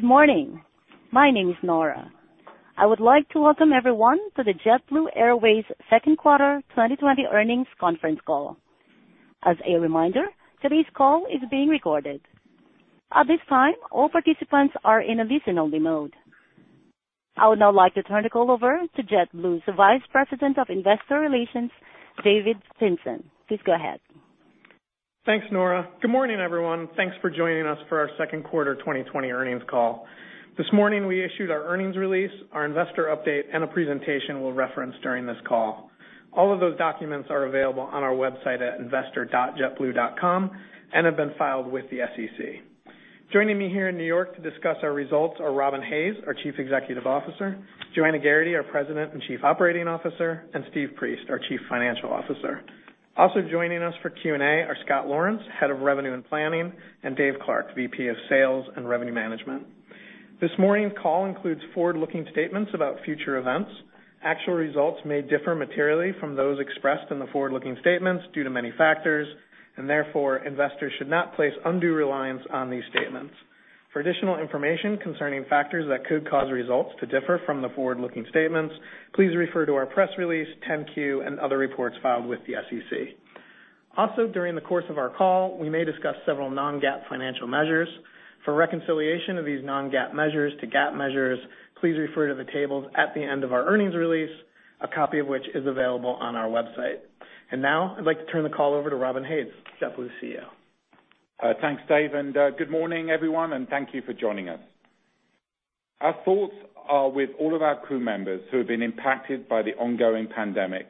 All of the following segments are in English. Good morning? My name is Nora. I would like to welcome everyone to the JetBlue Airways second quarter 2020 earnings conference call. As a reminder, today's call is being recorded. At this time, all participants are in a listen-only mode. I would now like to turn the call over to JetBlue's Vice President of Investor Relations, David Fintzen. Please go ahead. Thanks, Nora. Good morning everyone? Thanks for joining us for our second quarter 2020 earnings call. This morning we issued our earnings release, our investor update, and a presentation we'll reference during this call. All of those documents are available on our website at investor.jetblue.com and have been filed with the SEC. Joining me here in New York to discuss our results are Robin Hayes, our Chief Executive Officer, Joanna Geraghty, our President and Chief Operating Officer, and Steve Priest, our Chief Financial Officer. Also joining us for Q&A are Scott Laurence, Head of Revenue and Planning, and Dave Clark, Vice President of Sales and Revenue Management. This morning's call includes forward-looking statements about future events. Actual results may differ materially from those expressed in the forward-looking statements due to many factors, and therefore, investors should not place undue reliance on these statements. For additional information concerning factors that could cause results to differ from the forward-looking statements, please refer to our press release, 10-Q, and other reports filed with the SEC. During the course of our call, we may discuss several non-GAAP financial measures. For reconciliation of these non-GAAP measures to GAAP measures, please refer to the tables at the end of our earnings release, a copy of which is available on our website. Now I'd like to turn the call over to Robin Hayes, JetBlue's Chief Executive Officer. Thanks, Dave. Good morning, everyone, and thank you for joining us. Our thoughts are with all of our crew members who have been impacted by the ongoing pandemic,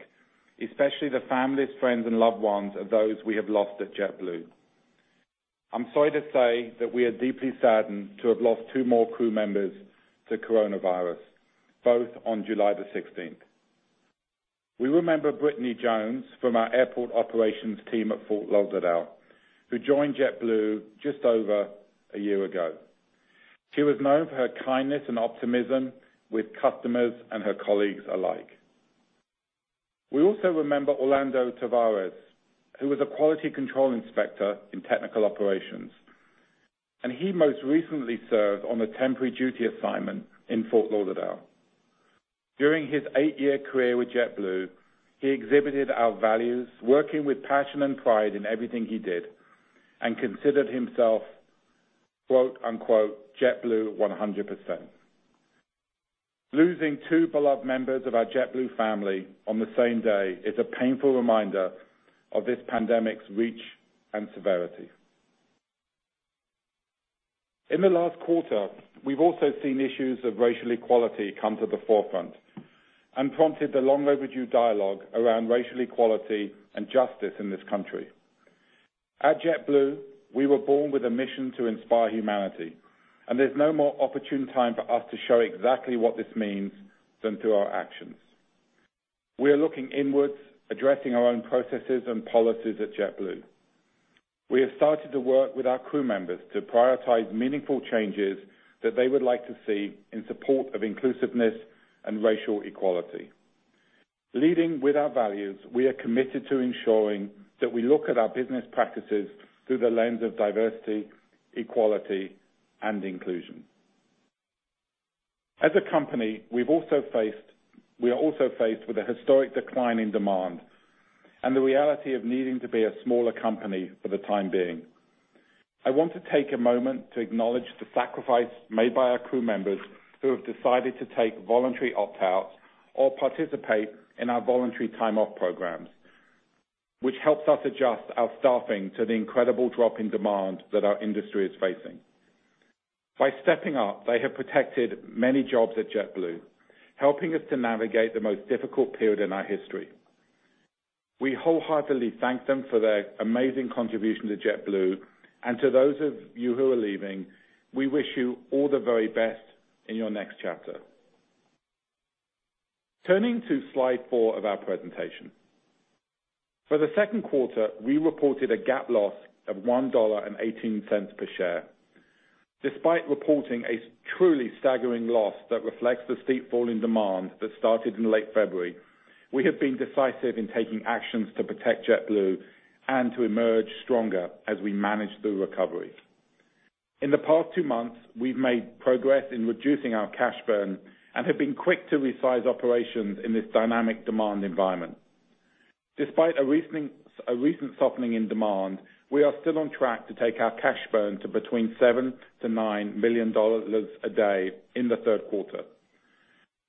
especially the families, friends, and loved ones of those we have lost at JetBlue. I'm sorry to say that we are deeply saddened to have lost two more crew members to coronavirus, both on July the 16. We remember Brittney Jones from our Airport Operations team at Fort Lauderdale, who joined JetBlue just over a year ago. She was known for her kindness and optimism with customers and her colleagues alike. We also remember Orlando Tavares, who was a Quality Control Inspector in technical operations. He most recently served on a temporary duty assignment in Fort Lauderdale. During his eight-year career with JetBlue, he exhibited our values, working with passion and pride in everything he did, and considered himself, quote unquote, JetBlue 100%. Losing two beloved members of our JetBlue family on the same day is a painful reminder of this pandemic's reach and severity. In the last quarter, we've also seen issues of racial equality come to the forefront and prompted the long-overdue dialogue around racial equality and justice in this country. At JetBlue, we were born with a mission to inspire humanity, and there's no more opportune time for us to show exactly what this means than through our actions. We are looking inwards, addressing our own processes and policies at JetBlue. We have started to work with our crew members to prioritize meaningful changes that they would like to see in support of inclusiveness and racial equality. Leading with our values, we are committed to ensuring that we look at our business practices through the lens of diversity, equality, and inclusion. As a company, we are also faced with a historic decline in demand and the reality of needing to be a smaller company for the time being. I want to take a moment to acknowledge the sacrifice made by our crew members who have decided to take voluntary opt-outs or participate in our voluntary time-off programs, which helps us adjust our staffing to the incredible drop in demand that our industry is facing. By stepping up, they have protected many jobs at JetBlue, helping us to navigate the most difficult period in our history. We wholeheartedly thank them for their amazing contribution to JetBlue, and to those of you who are leaving, we wish you all the very best in your next chapter. Turning to slide four of our presentation. For the second quarter, we reported a GAAP loss of $1.18 per share. Despite reporting a truly staggering loss that reflects the steep fall in demand that started in late February, we have been decisive in taking actions to protect JetBlue and to emerge stronger as we manage the recovery. In the past two months, we've made progress in reducing our cash burn and have been quick to resize operations in this dynamic demand environment. Despite a recent softening in demand, we are still on track to take our cash burn to between $7 million-$9 million a day in the third quarter.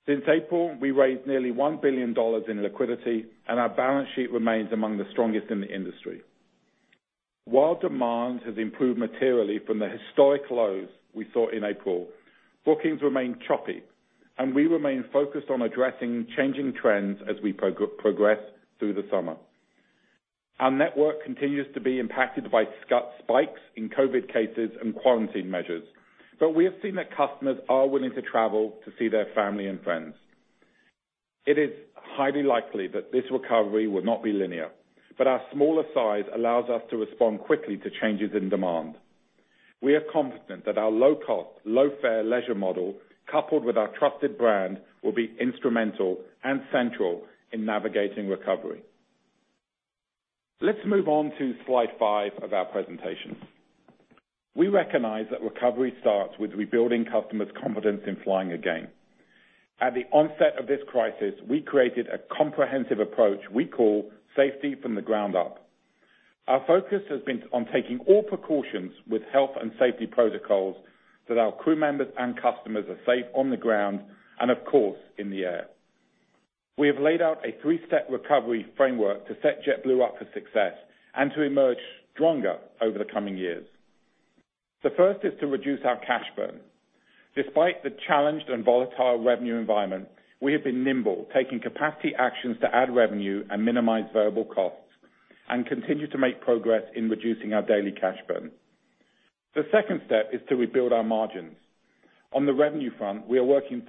Since April, we raised nearly $1 billion in liquidity. Our balance sheet remains among the strongest in the industry. While demand has improved materially from the historic lows we saw in April, bookings remain choppy, and we remain focused on addressing changing trends as we progress through the summer. Our network continues to be impacted by spikes in COVID cases and quarantine measures, but we have seen that customers are willing to travel to see their family and friends. It is highly likely that this recovery will not be linear, but our smaller size allows us to respond quickly to changes in demand. We are confident that our low-cost, low-fare leisure model, coupled with our trusted brand, will be instrumental and central in navigating recovery. Let's move on to slide five of our presentation. We recognize that recovery starts with rebuilding customers' confidence in flying again. At the onset of this crisis, we created a comprehensive approach we call Safety from the Ground Up. Our focus has been on taking all precautions with health and safety protocols so that our crew members and customers are safe on the ground and, of course, in the air. We have laid out a three-step recovery framework to set JetBlue up for success and to emerge stronger over the coming years. The first is to reduce our cash burn. Despite the challenged and volatile revenue environment, we have been nimble, taking capacity actions to add revenue and minimize variable costs, and continue to make progress in reducing our daily cash burn. The second step is to rebuild our margins. On the revenue front, we are working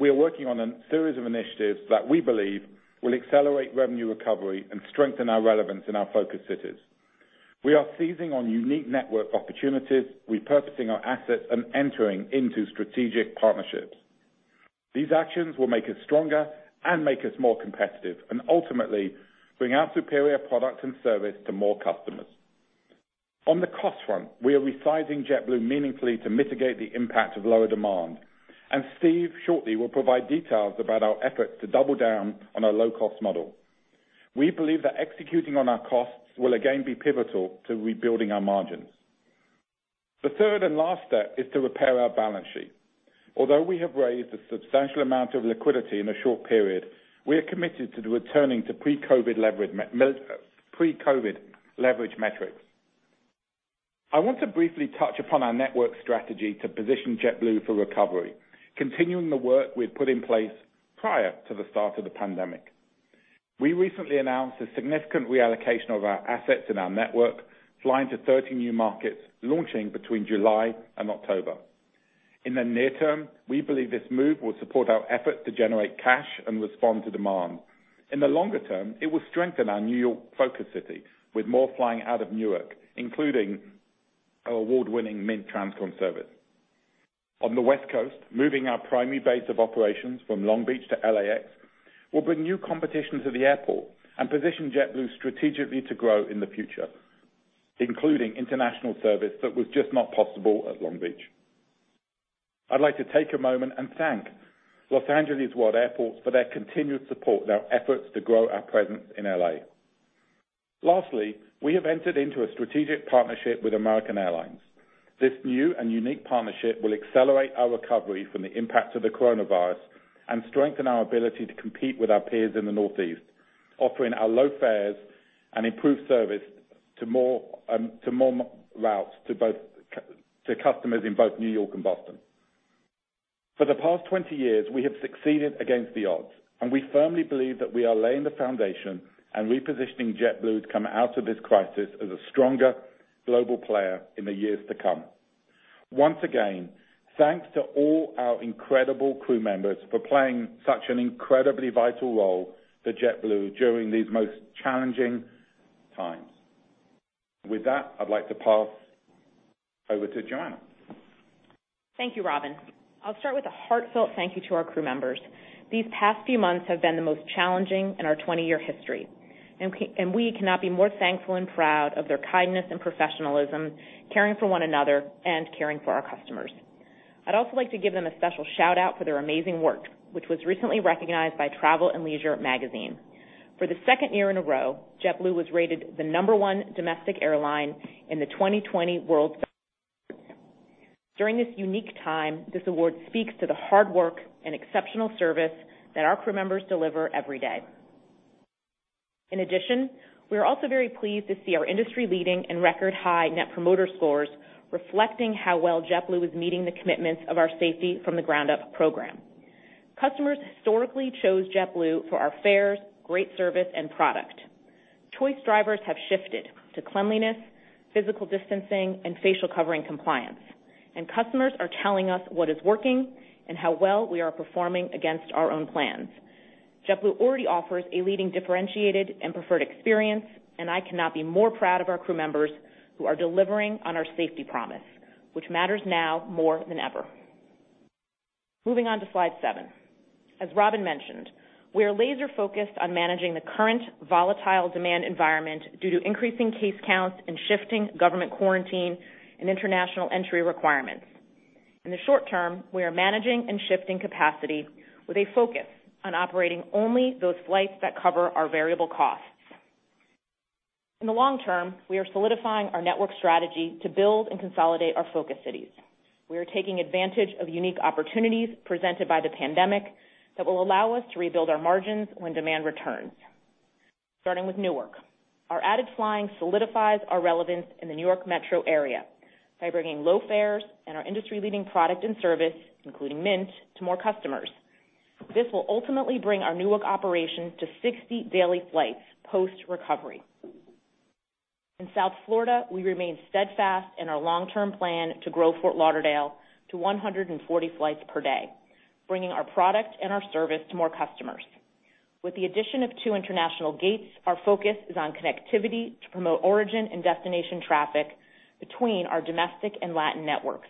on a series of initiatives that we believe will accelerate revenue recovery and strengthen our relevance in our focus cities. We are seizing on unique network opportunities, repurposing our assets, and entering into strategic partnerships. These actions will make us stronger and make us more competitive, ultimately bring our superior product and service to more customers. On the cost front, we are resizing JetBlue meaningfully to mitigate the impact of lower demand, Steve shortly will provide details about our efforts to double down on our low-cost model. We believe that executing on our costs will again be pivotal to rebuilding our margins. The third and last step is to repair our balance sheet. Although we have raised a substantial amount of liquidity in a short period, we are committed to returning to pre-COVID leverage metrics. I want to briefly touch upon our network strategy to position JetBlue for recovery, continuing the work we've put in place prior to the start of the pandemic. We recently announced a significant reallocation of our assets in our network, flying to 30 new markets, launching between July and October. In the near term, we believe this move will support our efforts to generate cash and respond to demand. In the longer term, it will strengthen our New York focus city with more flying out of Newark, including our award-winning Mint transcon service. On the West Coast, moving our primary base of operations from Long Beach to LAX will bring new competition to the airport and position JetBlue strategically to grow in the future, including international service that was just not possible at Long Beach. I'd like to take a moment and thank Los Angeles World Airports for their continued support in our efforts to grow our presence in L.A. Lastly, we have entered into a strategic partnership with American Airlines. This new and unique partnership will accelerate our recovery from the impact of the coronavirus and strengthen our ability to compete with our peers in the Northeast, offering our low fares and improved service to more routes, to customers in both New York and Boston. For the past 20 years, we have succeeded against the odds, and we firmly believe that we are laying the foundation and repositioning JetBlue to come out of this crisis as a stronger global player in the years to come. Once again, thanks to all our incredible crew members for playing such an incredibly vital role for JetBlue during these most challenging times. With that, I'd like to pass over to Joanna. Thank you, Robin. I'll start with a heartfelt thank you to our crew members. These past few months have been the most challenging in our 20-year history, and we cannot be more thankful and proud of their kindness and professionalism, caring for one another, and caring for our customers. I'd also like to give them a special shout-out for their amazing work, which was recently recognized by Travel + Leisure magazine. For the second year in a row, JetBlue was rated the number one domestic airline in the 2020 World's Best Awards. During this unique time, this award speaks to the hard work and exceptional service that our crew members deliver every day. In addition, we are also very pleased to see our industry-leading and record-high Net Promoter Score reflecting how well JetBlue is meeting the commitments of our Safety from the Ground Up program. Customers historically chose JetBlue for our fares, great service, and product. Choice drivers have shifted to cleanliness, physical distancing, and facial covering compliance, and customers are telling us what is working and how well we are performing against our own plans. JetBlue already offers a leading differentiated and preferred experience, and I cannot be more proud of our crew members who are delivering on our safety promise, which matters now more than ever. Moving on to slide seven. As Robin mentioned, we are laser-focused on managing the current volatile demand environment due to increasing case counts and shifting government quarantine and international entry requirements. In the short term, we are managing and shifting capacity with a focus on operating only those flights that cover our variable costs. In the long term, we are solidifying our network strategy to build and consolidate our focus cities. We are taking advantage of unique opportunities presented by the pandemic that will allow us to rebuild our margins when demand returns. Starting with Newark, our added flying solidifies our relevance in the New York Metro area by bringing low fares and our industry-leading product and service, including Mint, to more customers. This will ultimately bring our Newark operations to 60 daily flights post-recovery. In South Florida, we remain steadfast in our long-term plan to grow Fort Lauderdale to 140 flights per day, bringing our product and our service to more customers. With the addition of two international gates, our focus is on connectivity to promote origin and destination traffic between our domestic and Latin networks.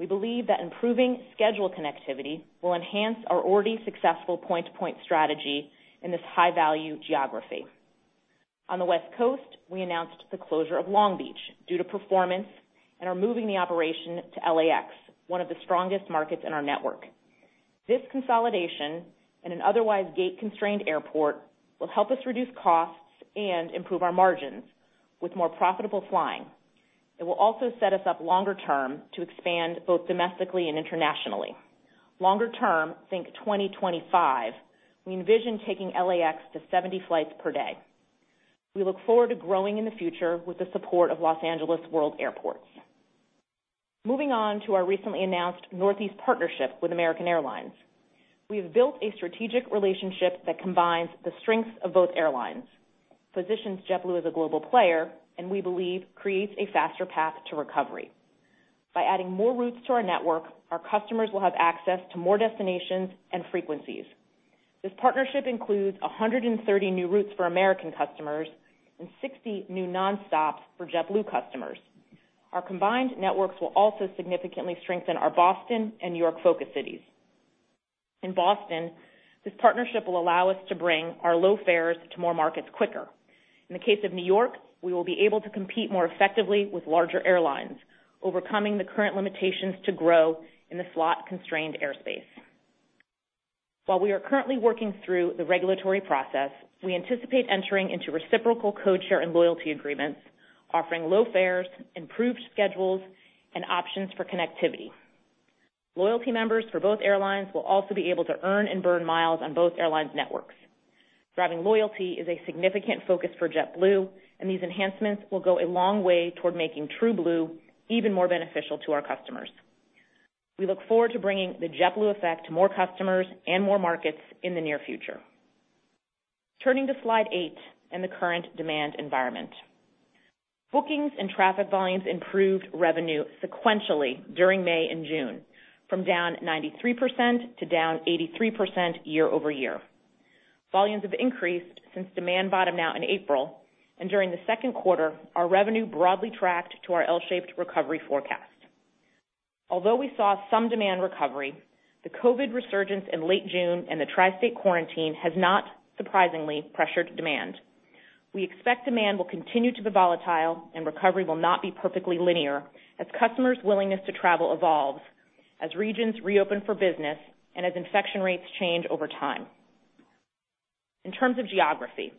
We believe that improving schedule connectivity will enhance our already successful point-to-point strategy in this high-value geography. On the West Coast, we announced the closure of Long Beach due to performance and are moving the operation to LAX, one of the strongest markets in our network. This consolidation in an otherwise gate-constrained airport will help us reduce costs and improve our margins with more profitable flying. It will also set us up longer term to expand both domestically and internationally. Longer term, think 2025, we envision taking LAX to 70 flights per day. We look forward to growing in the future with the support of Los Angeles World Airports. Moving on to our recently announced Northeast partnership with American Airlines. We have built a strategic relationship that combines the strengths of both airlines, positions JetBlue as a global player, and we believe creates a faster path to recovery. By adding more routes to our network, our customers will have access to more destinations and frequencies. This partnership includes 130 new routes for American customers and 60 new nonstops for JetBlue customers. Our combined networks will also significantly strengthen our Boston and New York focus cities. In Boston, this partnership will allow us to bring our low fares to more markets quicker. In the case of New York, we will be able to compete more effectively with larger airlines, overcoming the current limitations to grow in the slot-constrained airspace. While we are currently working through the regulatory process, we anticipate entering into reciprocal code share and loyalty agreements, offering low fares, improved schedules, and options for connectivity. Loyalty members for both airlines will also be able to earn and burn miles on both airlines' networks. Driving loyalty is a significant focus for JetBlue, these enhancements will go a long way toward making TrueBlue even more beneficial to our customers. We look forward to bringing the JetBlue effect to more customers and more markets in the near future. Turning to slide eight and the current demand environment. Bookings and traffic volumes improved revenue sequentially during May and June, from down 93% to down 83% year-over-year. Volumes have increased since demand bottomed out in April, and during the second quarter, our revenue broadly tracked to our L-shaped recovery forecast. Although we saw some demand recovery, the COVID resurgence in late June and the Tri-State quarantine has not surprisingly pressured demand. We expect demand will continue to be volatile and recovery will not be perfectly linear as customers' willingness to travel evolves, as regions reopen for business, and as infection rates change over time. In terms of geography,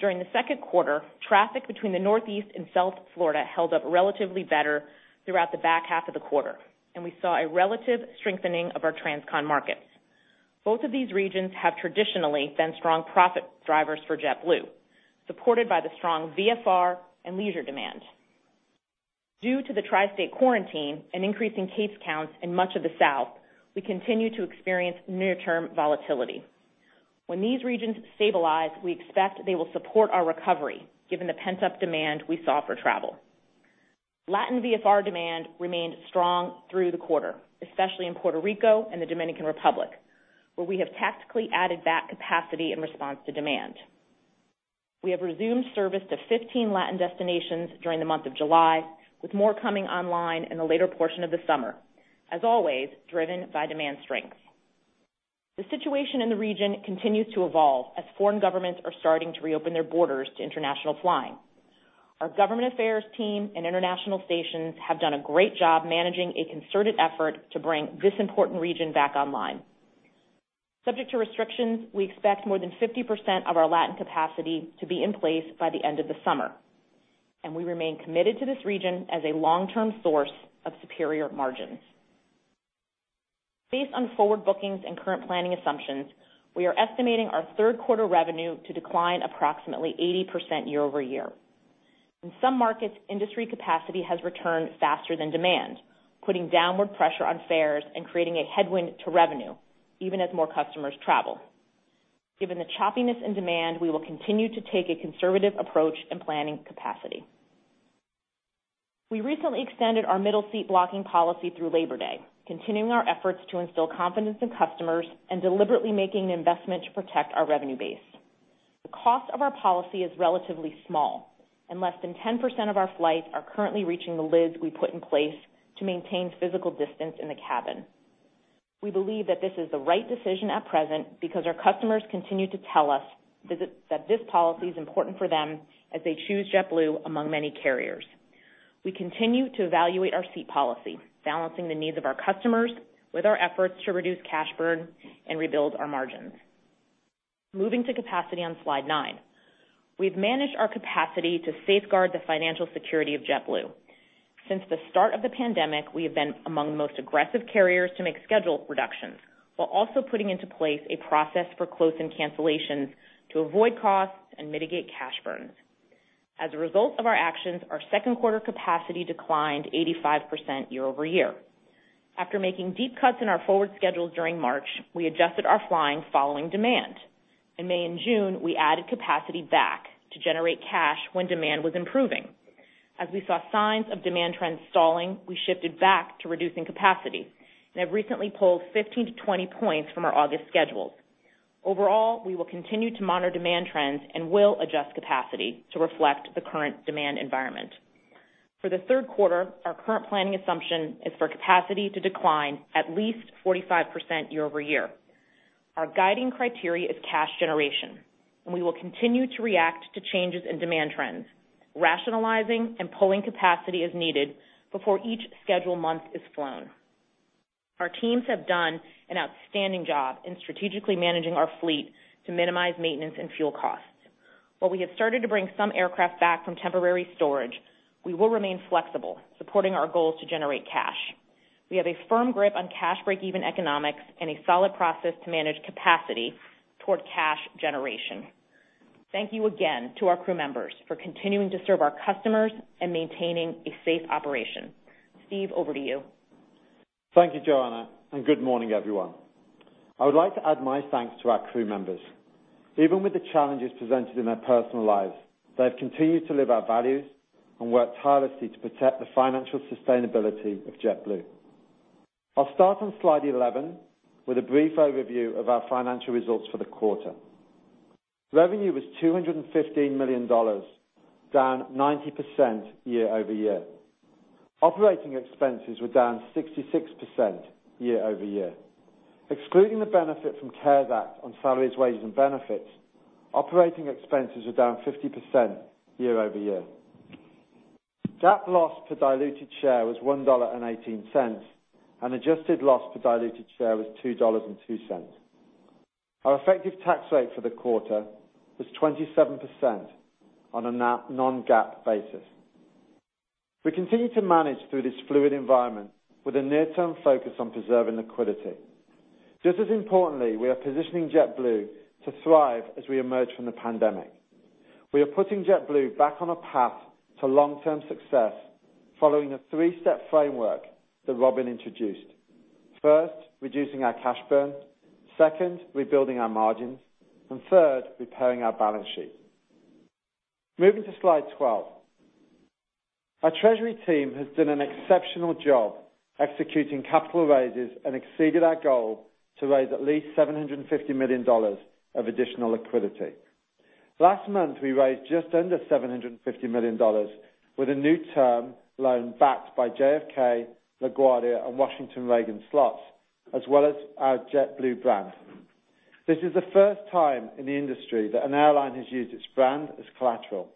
during the second quarter, traffic between the Northeast and South Florida held up relatively better throughout the back half of the quarter, and we saw a relative strengthening of our transcon markets. Both of these regions have traditionally been strong profit drivers for JetBlue, supported by the strong VFR and leisure demand. Due to the Tri-State quarantine and increasing case counts in much of the South, we continue to experience near-term volatility. When these regions stabilize, we expect they will support our recovery given the pent-up demand we saw for travel. Latin VFR demand remained strong through the quarter, especially in Puerto Rico and the Dominican Republic, where we have tactically added back capacity in response to demand. We have resumed service to 15 Latin destinations during the month of July, with more coming online in the later portion of the summer, as always, driven by demand strength. The situation in the region continues to evolve as foreign governments are starting to reopen their borders to international flying. Our government affairs team and international stations have done a great job managing a concerted effort to bring this important region back online. Subject to restrictions, we expect more than 50% of our Latin capacity to be in place by the end of the summer, and we remain committed to this region as a long-term source of superior margins. Based on forward bookings and current planning assumptions, we are estimating our third quarter revenue to decline approximately 80% year-over-year. In some markets, industry capacity has returned faster than demand, putting downward pressure on fares and creating a headwind to revenue even as more customers travel. Given the choppiness in demand, we will continue to take a conservative approach in planning capacity. We recently extended our middle seat blocking policy through Labor Day, continuing our efforts to instill confidence in customers and deliberately making the investment to protect our revenue base. The cost of our policy is relatively small, and less than 10% of our flights are currently reaching the lids we put in place to maintain physical distance in the cabin. We believe that this is the right decision at present because our customers continue to tell us that this policy is important for them as they choose JetBlue among many carriers. We continue to evaluate our seat policy, balancing the needs of our customers with our efforts to reduce cash burn and rebuild our margins. Moving to capacity on slide nine. We've managed our capacity to safeguard the financial security of JetBlue. Since the start of the pandemic, we have been among the most aggressive carriers to make schedule reductions while also putting into place a process for close-in cancellations to avoid costs and mitigate cash burns. As a result of our actions, our second quarter capacity declined 85% year-over-year. After making deep cuts in our forward schedules during March, we adjusted our flying following demand. In May and June, we added capacity back to generate cash when demand was improving. As we saw signs of demand trends stalling, we shifted back to reducing capacity and have recently pulled 15 points-20 points from our August schedules. We will continue to monitor demand trends and will adjust capacity to reflect the current demand environment. For the third quarter, our current planning assumption is for capacity to decline at least 45% year-over-year. Our guiding criteria is cash generation, and we will continue to react to changes in demand trends, rationalizing and pulling capacity as needed before each scheduled month is flown. Our teams have done an outstanding job in strategically managing our fleet to minimize maintenance and fuel costs. While we have started to bring some aircraft back from temporary storage, we will remain flexible, supporting our goals to generate cash. We have a firm grip on cash breakeven economics and a solid process to manage capacity toward cash generation. Thank you again to our crew members for continuing to serve our customers and maintaining a safe operation. Steve, over to you. Thank you, Joanna and good morning everyone? I would like to add my thanks to our crew members. Even with the challenges presented in their personal lives, they have continued to live our values and work tirelessly to protect the financial sustainability of JetBlue. I'll start on slide 11 with a brief overview of our financial results for the quarter. Revenue was $215 million, down 90% year-over-year. Operating expenses were down 66% year-over-year. Excluding the benefit from CARES Act on salaries, wages, and benefits, operating expenses were down 50% year-over-year. GAAP loss per diluted share was $1.18, and adjusted loss per diluted share was $2.02. Our effective tax rate for the quarter was 27% on a non-GAAP basis. We continue to manage through this fluid environment with a near-term focus on preserving liquidity. Just as importantly, we are positioning JetBlue to thrive as we emerge from the pandemic. We are putting JetBlue back on a path to long-term success following a three-step framework that Robin introduced. First, reducing our cash burn, second, rebuilding our margins, third, repairing our balance sheet. Moving to slide 12. Our treasury team has done an exceptional job executing capital raises, exceeded our goal to raise at least $750 million of additional liquidity. Last month, we raised just under $750 million with a new term loan backed by JFK, LaGuardia, and Washington Reagan slots, as well as our JetBlue brand. This is the first time in the industry that an airline has used its brand as collateral.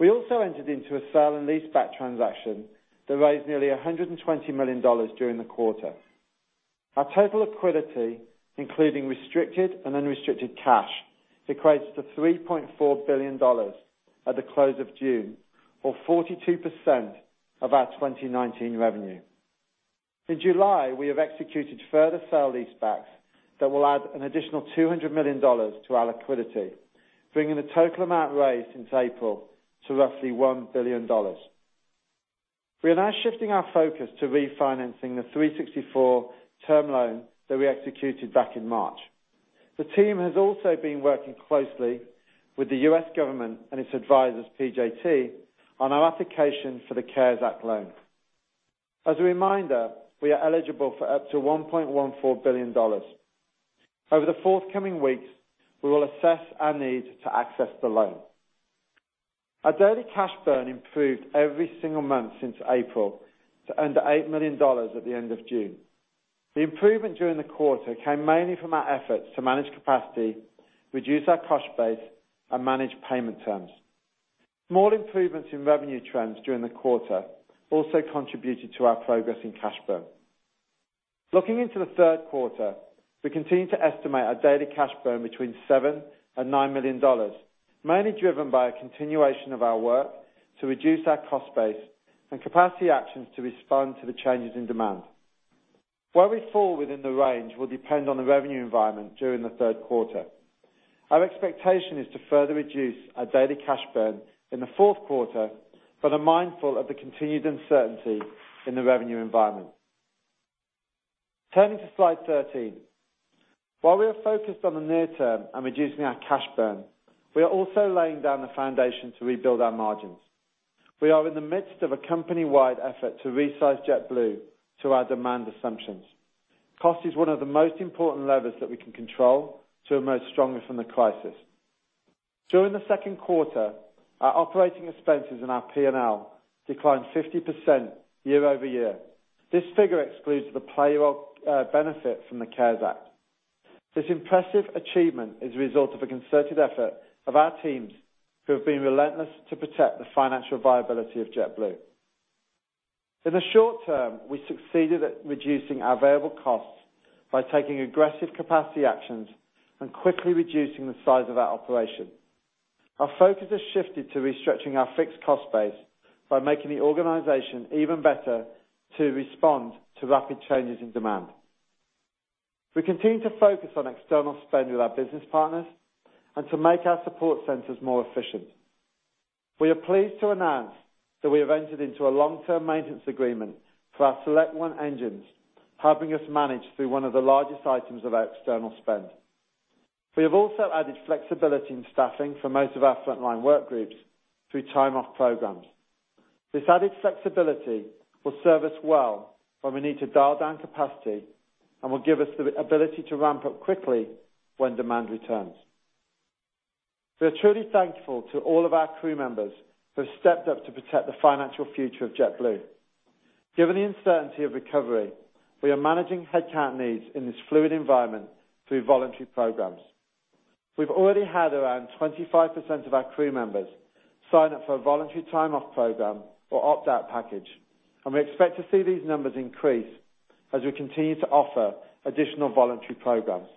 We also entered into a sale and leaseback transaction that raised nearly $120 million during the quarter. Our total liquidity, including restricted and unrestricted cash, equates to $3.4 billion at the close of June or 42% of our 2019 revenue. In July, we have executed further sale leasebacks that will add an additional $200 million to our liquidity, bringing the total amount raised since April to roughly $1 billion. We are now shifting our focus to refinancing the 364 term loan that we executed back in March. The team has also been working closely with the U.S. Government and its advisors, PJT, on our application for the CARES Act loan. As a reminder, we are eligible for up to $1.14 billion. Over the forthcoming weeks, we will assess our need to access the loan. Our daily cash burn improved every single month since April to under $8 million at the end of June. The improvement during the quarter came mainly from our efforts to manage capacity, reduce our cost base, and manage payment terms. Small improvements in revenue trends during the quarter also contributed to our progress in cash burn. Looking into the third quarter, we continue to estimate our daily cash burn between $7 million and $9 million, mainly driven by a continuation of our work to reduce our cost base and capacity actions to respond to the changes in demand. Where we fall within the range will depend on the revenue environment during the third quarter. Our expectation is to further reduce our daily cash burn in the fourth quarter, but are mindful of the continued uncertainty in the revenue environment. Turning to slide 13. While we are focused on the near term and reducing our cash burn, we are also laying down the foundation to rebuild our margins. We are in the midst of a company-wide effort to resize JetBlue to our demand assumptions. Cost is one of the most important levers that we can control to emerge stronger from the crisis. During the second quarter, our operating expenses and our P&L declined 50% year-over-year. This figure excludes the payroll benefit from the CARES Act. This impressive achievement is a result of a concerted effort of our teams, who have been relentless to protect the financial viability of JetBlue. In the short term, we succeeded at reducing our variable costs by taking aggressive capacity actions and quickly reducing the size of our operation. Our focus has shifted to restructuring our fixed cost base by making the organization even better to respond to rapid changes in demand. We continue to focus on external spend with our business partners and to make our support centers more efficient. We are pleased to announce that we have entered into a long-term maintenance agreement for our SelectOne engines, helping us manage through one of the largest items of our external spend. We have also added flexibility in staffing for most of our frontline work groups through time-off programs. This added flexibility will serve us well when we need to dial down capacity and will give us the ability to ramp up quickly when demand returns. We are truly thankful to all of our crew members who have stepped up to protect the financial future of JetBlue. Given the uncertainty of recovery, we are managing headcount needs in this fluid environment through voluntary programs. We've already had around 25% of our crew members sign up for a voluntary time-off program or opt-out package. We expect to see these numbers increase as we continue to offer additional voluntary programs.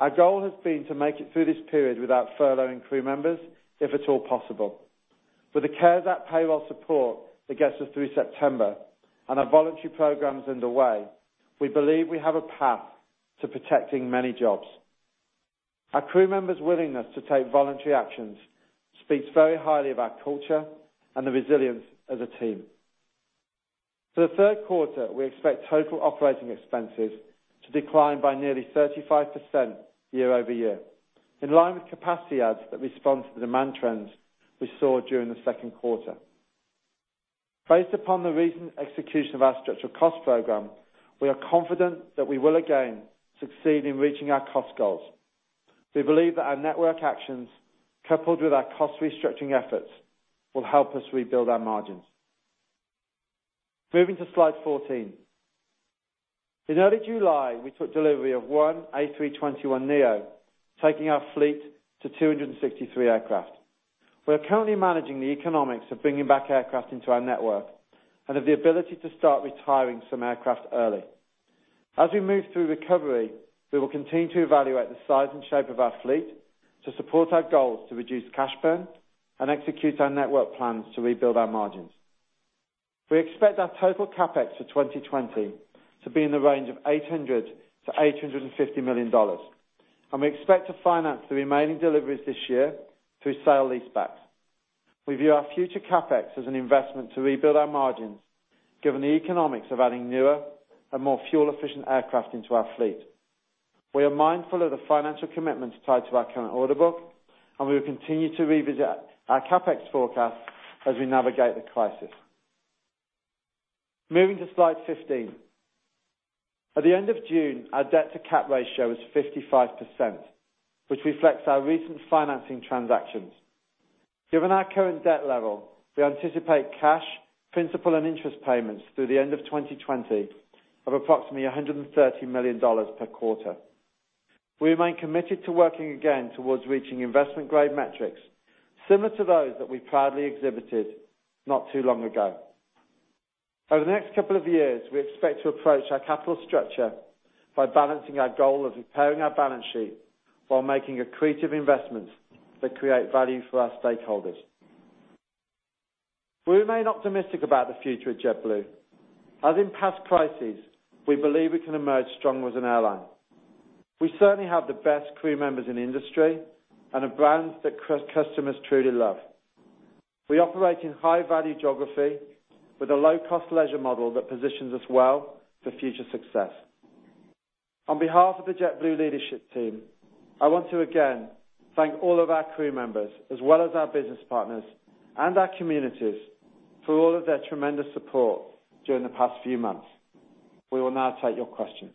Our goal has been to make it through this period without furloughing crew members, if at all possible. With the CARES Act payroll support that gets us through September and our voluntary programs underway, we believe we have a path to protecting many jobs. Our crew members' willingness to take voluntary actions speaks very highly of our culture and the resilience as a team. For the third quarter, we expect total operating expenses to decline by nearly 35% year-over-year, in line with capacity adds that respond to the demand trends we saw during the second quarter. Based upon the recent execution of our structural cost program, we are confident that we will again succeed in reaching our cost goals. We believe that our network actions, coupled with our cost restructuring efforts, will help us rebuild our margins. Moving to slide 14. In early July, we took delivery of one A321neo, taking our fleet to 263 aircraft. We are currently managing the economics of bringing back aircraft into our network and have the ability to start retiring some aircraft early. As we move through recovery, we will continue to evaluate the size and shape of our fleet to support our goals to reduce cash burn and execute our network plans to rebuild our margins. We expect our total CapEx for 2020 to be in the range of $800 million-$850 million, and we expect to finance the remaining deliveries this year through sale leasebacks. We view our future CapEx as an investment to rebuild our margins, given the economics of adding newer and more fuel-efficient aircraft into our fleet. We are mindful of the financial commitments tied to our current order book, and we will continue to revisit our CapEx forecast as we navigate the crisis. Moving to slide 15. At the end of June, our debt-to-cap ratio was 55%, which reflects our recent financing transactions. Given our current debt level, we anticipate cash, principal, and interest payments through the end of 2020 of approximately $130 million per quarter. We remain committed to working again towards reaching investment-grade metrics similar to those that we proudly exhibited not too long ago. Over the next couple of years, we expect to approach our capital structure by balancing our goal of repairing our balance sheet while making accretive investments that create value for our stakeholders. We remain optimistic about the future of JetBlue. As in past crises, we believe we can emerge stronger as an airline. We certainly have the best crew members in the industry and a brand that customers truly love. We operate in high-value geography with a low-cost leisure model that positions us well for future success. On behalf of the JetBlue leadership team, I want to again thank all of our crew members, as well as our business partners and our communities, for all of their tremendous support during the past few months. We will now take your questions.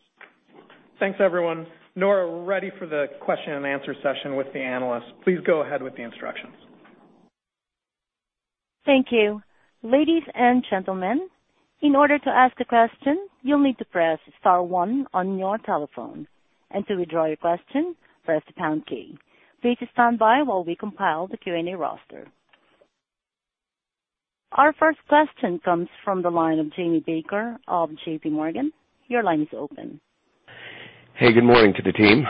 Thanks, everyone. Nora, we're ready for the question and answer session with the Analysts. Please go ahead with the instructions. Thank you. Ladies and gentlemen, in order to ask a question, you'll need to press star one on your telephone, and to withdraw your question, press the pound key. Please stand by while we compile the Q&A roster. Our first question comes from the line of Jamie Baker of JPMorgan, your line is open. Hey, good morning to the team?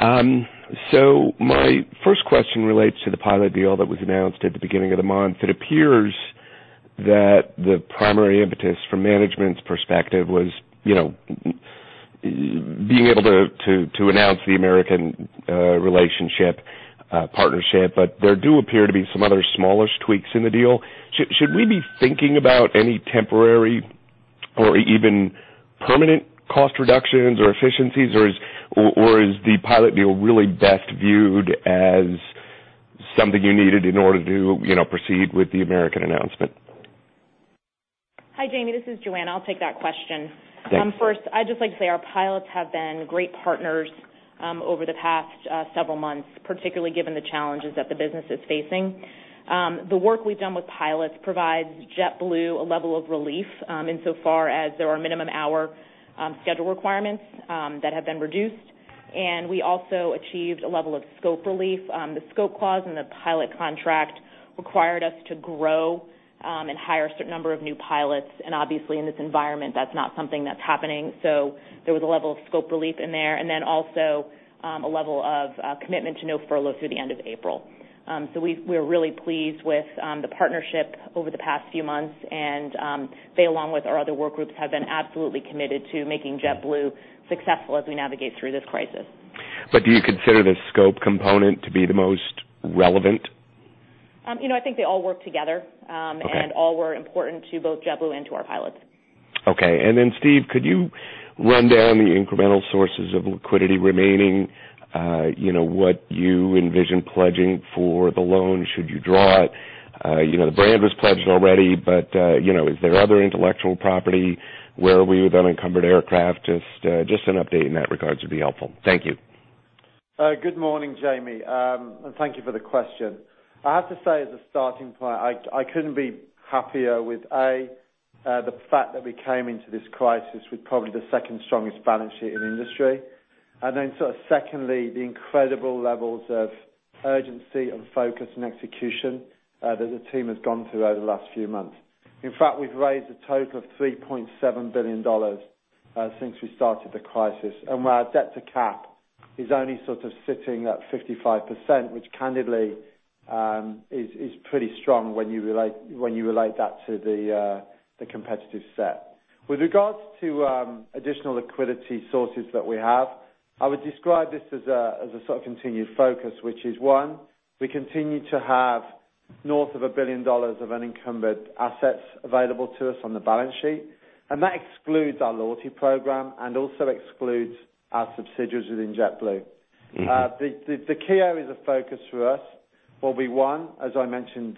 My first question relates to the pilot deal that was announced at the beginning of the month. It appears that the primary impetus from management's perspective was being able to announce the American relationship partnership, there do appear to be some other smallish tweaks in the deal. Should we be thinking about any temporary or even permanent cost reductions or efficiencies, is the pilot deal really best viewed as something you needed in order to proceed with the American announcement? Hi, Jamie, this is Joanna. I'll take that question. Thanks. First, I'd just like to say our pilots have been great partners over the past several months, particularly given the challenges that the business is facing. The work we've done with pilots provides JetBlue a level of relief insofar as there are minimum hour schedule requirements that have been reduced, and we also achieved a level of scope relief. The scope clause in the pilot contract required us to grow and hire a certain number of new pilots, and obviously in this environment, that's not something that's happening. There was a level of scope relief in there, and then also a level of commitment to no furlough through the end of April. We're really pleased with the partnership over the past few months, and they, along with our other work groups, have been absolutely committed to making JetBlue successful as we navigate through this crisis. Do you consider the scope component to be the most relevant? I think they all work together. Okay All were important to both JetBlue and to our pilots. Okay. Steve, could you run down the incremental sources of liquidity remaining, what you envision pledging for the loan should you draw it? The brand was pledged already, is there other intellectual property? Where are we with unencumbered aircraft? Just an update in that regard would be helpful. Thank you. Good morning, Jamie, and thank you for the question. I have to say as a starting point, I couldn't be happier with, A, the fact that we came into this crisis with probably the second strongest balance sheet in industry. Then secondly, the incredible levels of urgency and focus and execution that the team has gone through over the last few months. In fact, we've raised a total of $3.7 billion since we started the crisis, and our debt to cap is only sitting at 55%, which candidly is pretty strong when you relate that to the competitive set. With regards to additional liquidity sources that we have, I would describe this as a continued focus, which is, one, we continue to have north of $1 billion of unencumbered assets available to us on the balance sheet. That excludes our loyalty program and also excludes our subsidiaries within JetBlue. The key areas of focus for us will be, one, as I mentioned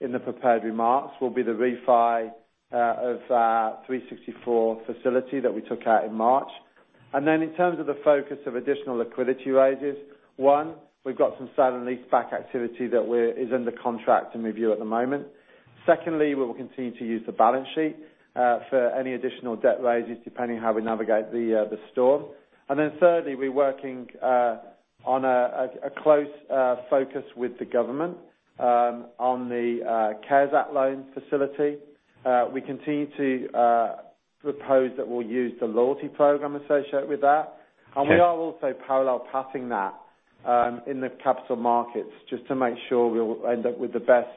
in the prepared remarks, will be the refi of our 364 facility that we took out in March. In terms of the focus of additional liquidity raises, one, we've got some sale and leaseback activity that is under contract and review at the moment. Secondly, we will continue to use the balance sheet for any additional debt raises, depending on how we navigate the storm. Thirdly, we're working on a close focus with the government on the CARES Act loan facility. We continue to propose that we'll use the loyalty program associated with that. Okay. We are also parallel pathing that in the capital markets just to make sure we'll end up with the best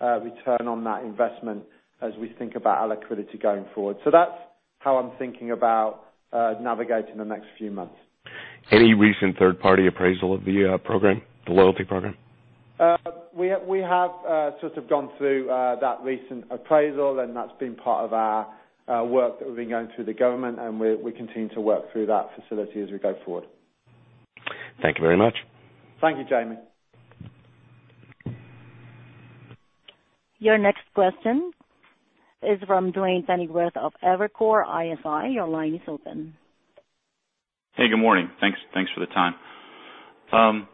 return on that investment as we think about our liquidity going forward. That's how I'm thinking about navigating the next few months. Any recent third-party appraisal of the program, the loyalty program? We have gone through that recent appraisal, and that's been part of our work that we've been going through the government, and we continue to work through that facility as we go forward. Thank you very much. Thank you, Jamie. Your next question is from Duane Pfennigwerth of Evercore ISI, your line is open. Hey, good morning? Thanks for the time.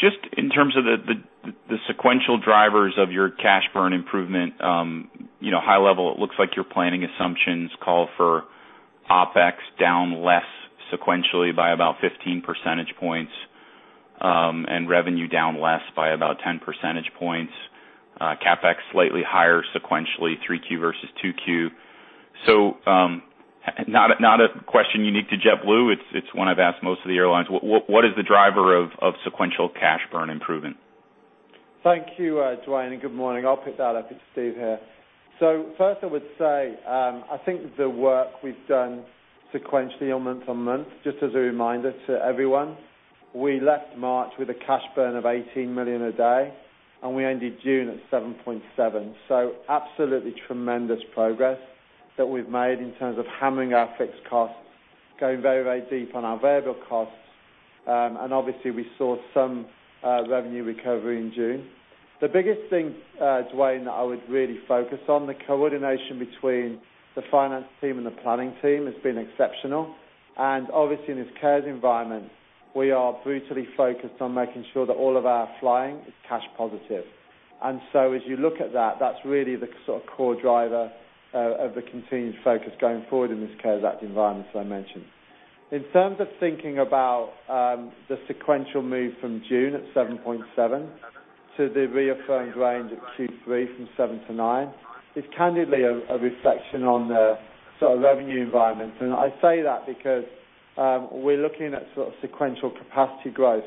Just in terms of the sequential drivers of your cash burn improvement, high level, it looks like your planning assumptions call for OpEx down less sequentially by about 15 percentage points, revenue down less by about 10 percentage points. CapEx slightly higher sequentially, 3Q versus 2Q. Not a question unique to JetBlue. It's one I've asked most of the airlines. What is the driver of sequential cash burn improvement? Thank you, Duane, and good morning. I'll pick that up. It's Steve here. First I would say, I think the work we've done sequentially on month-on-month, just as a reminder to everyone, we left March with a cash burn of $18 million a day, and we ended June at $7.7 million. Absolutely tremendous progress that we've made in terms of hammering our fixed costs, going very, very deep on our variable costs. Obviously we saw some revenue recovery in June. The biggest thing, Duane, that I would really focus on, the coordination between the finance team and the planning team has been exceptional. Obviously in this CARES environment, we are brutally focused on making sure that all of our flying is cash positive. As you look at that's really the core driver of the continued focus going forward in this CARES Act environment, as I mentioned. In terms of thinking about the sequential move from June at $7.7 million to the reaffirmed range at Q3 from $7 million-$9 million, is candidly a reflection on the revenue environment. I say that because we're looking at sequential capacity growth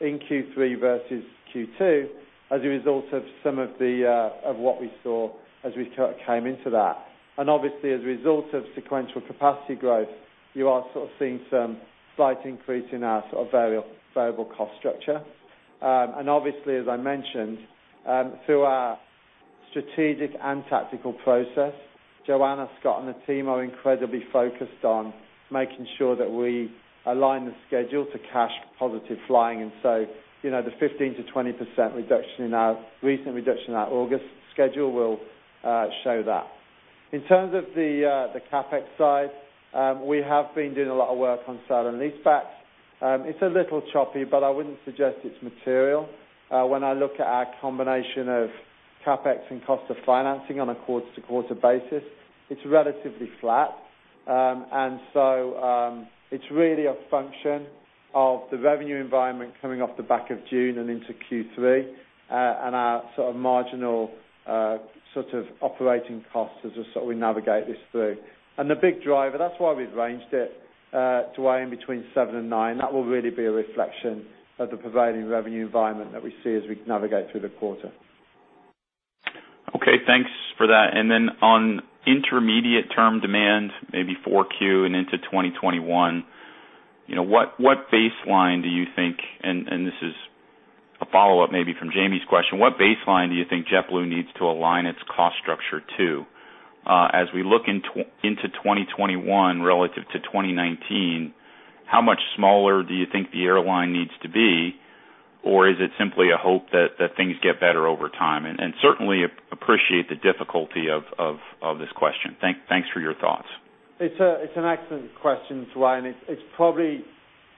in Q3 versus Q2 as a result of what we saw as we came into that. Obviously, as a result of sequential capacity growth, you are seeing some slight increase in our variable cost structure. Obviously, as I mentioned, through our strategic and tactical process, Joanna, Scott, and the team are incredibly focused on making sure that we align the schedule to cash positive flying. The 15%-20% recent reduction in our August schedule will show that. In terms of the CapEx side, we have been doing a lot of work on sale and leasebacks. It's a little choppy, I wouldn't suggest it's material. When I look at our combination of CapEx and cost of financing on a quarter-to-quarter basis, it's relatively flat. It's really a function of the revenue environment coming off the back of June and into Q3, and our marginal operating costs as we navigate this through. The big driver, that's why we've ranged it, Duane, between $7 million and $9 million. That will really be a reflection of the prevailing revenue environment that we see as we navigate through the quarter. Okay, thanks for that. On intermediate term demand, maybe 4Q and into 2021, what baseline do you think, this is a follow-up maybe from Jamie's question. What baseline do you think JetBlue needs to align its cost structure to? As we look into 2021 relative to 2019, how much smaller do you think the airline needs to be? Is it simply a hope that things get better over time? Certainly appreciate the difficulty of this question. Thanks for your thoughts. It's an excellent question, Duane. It's probably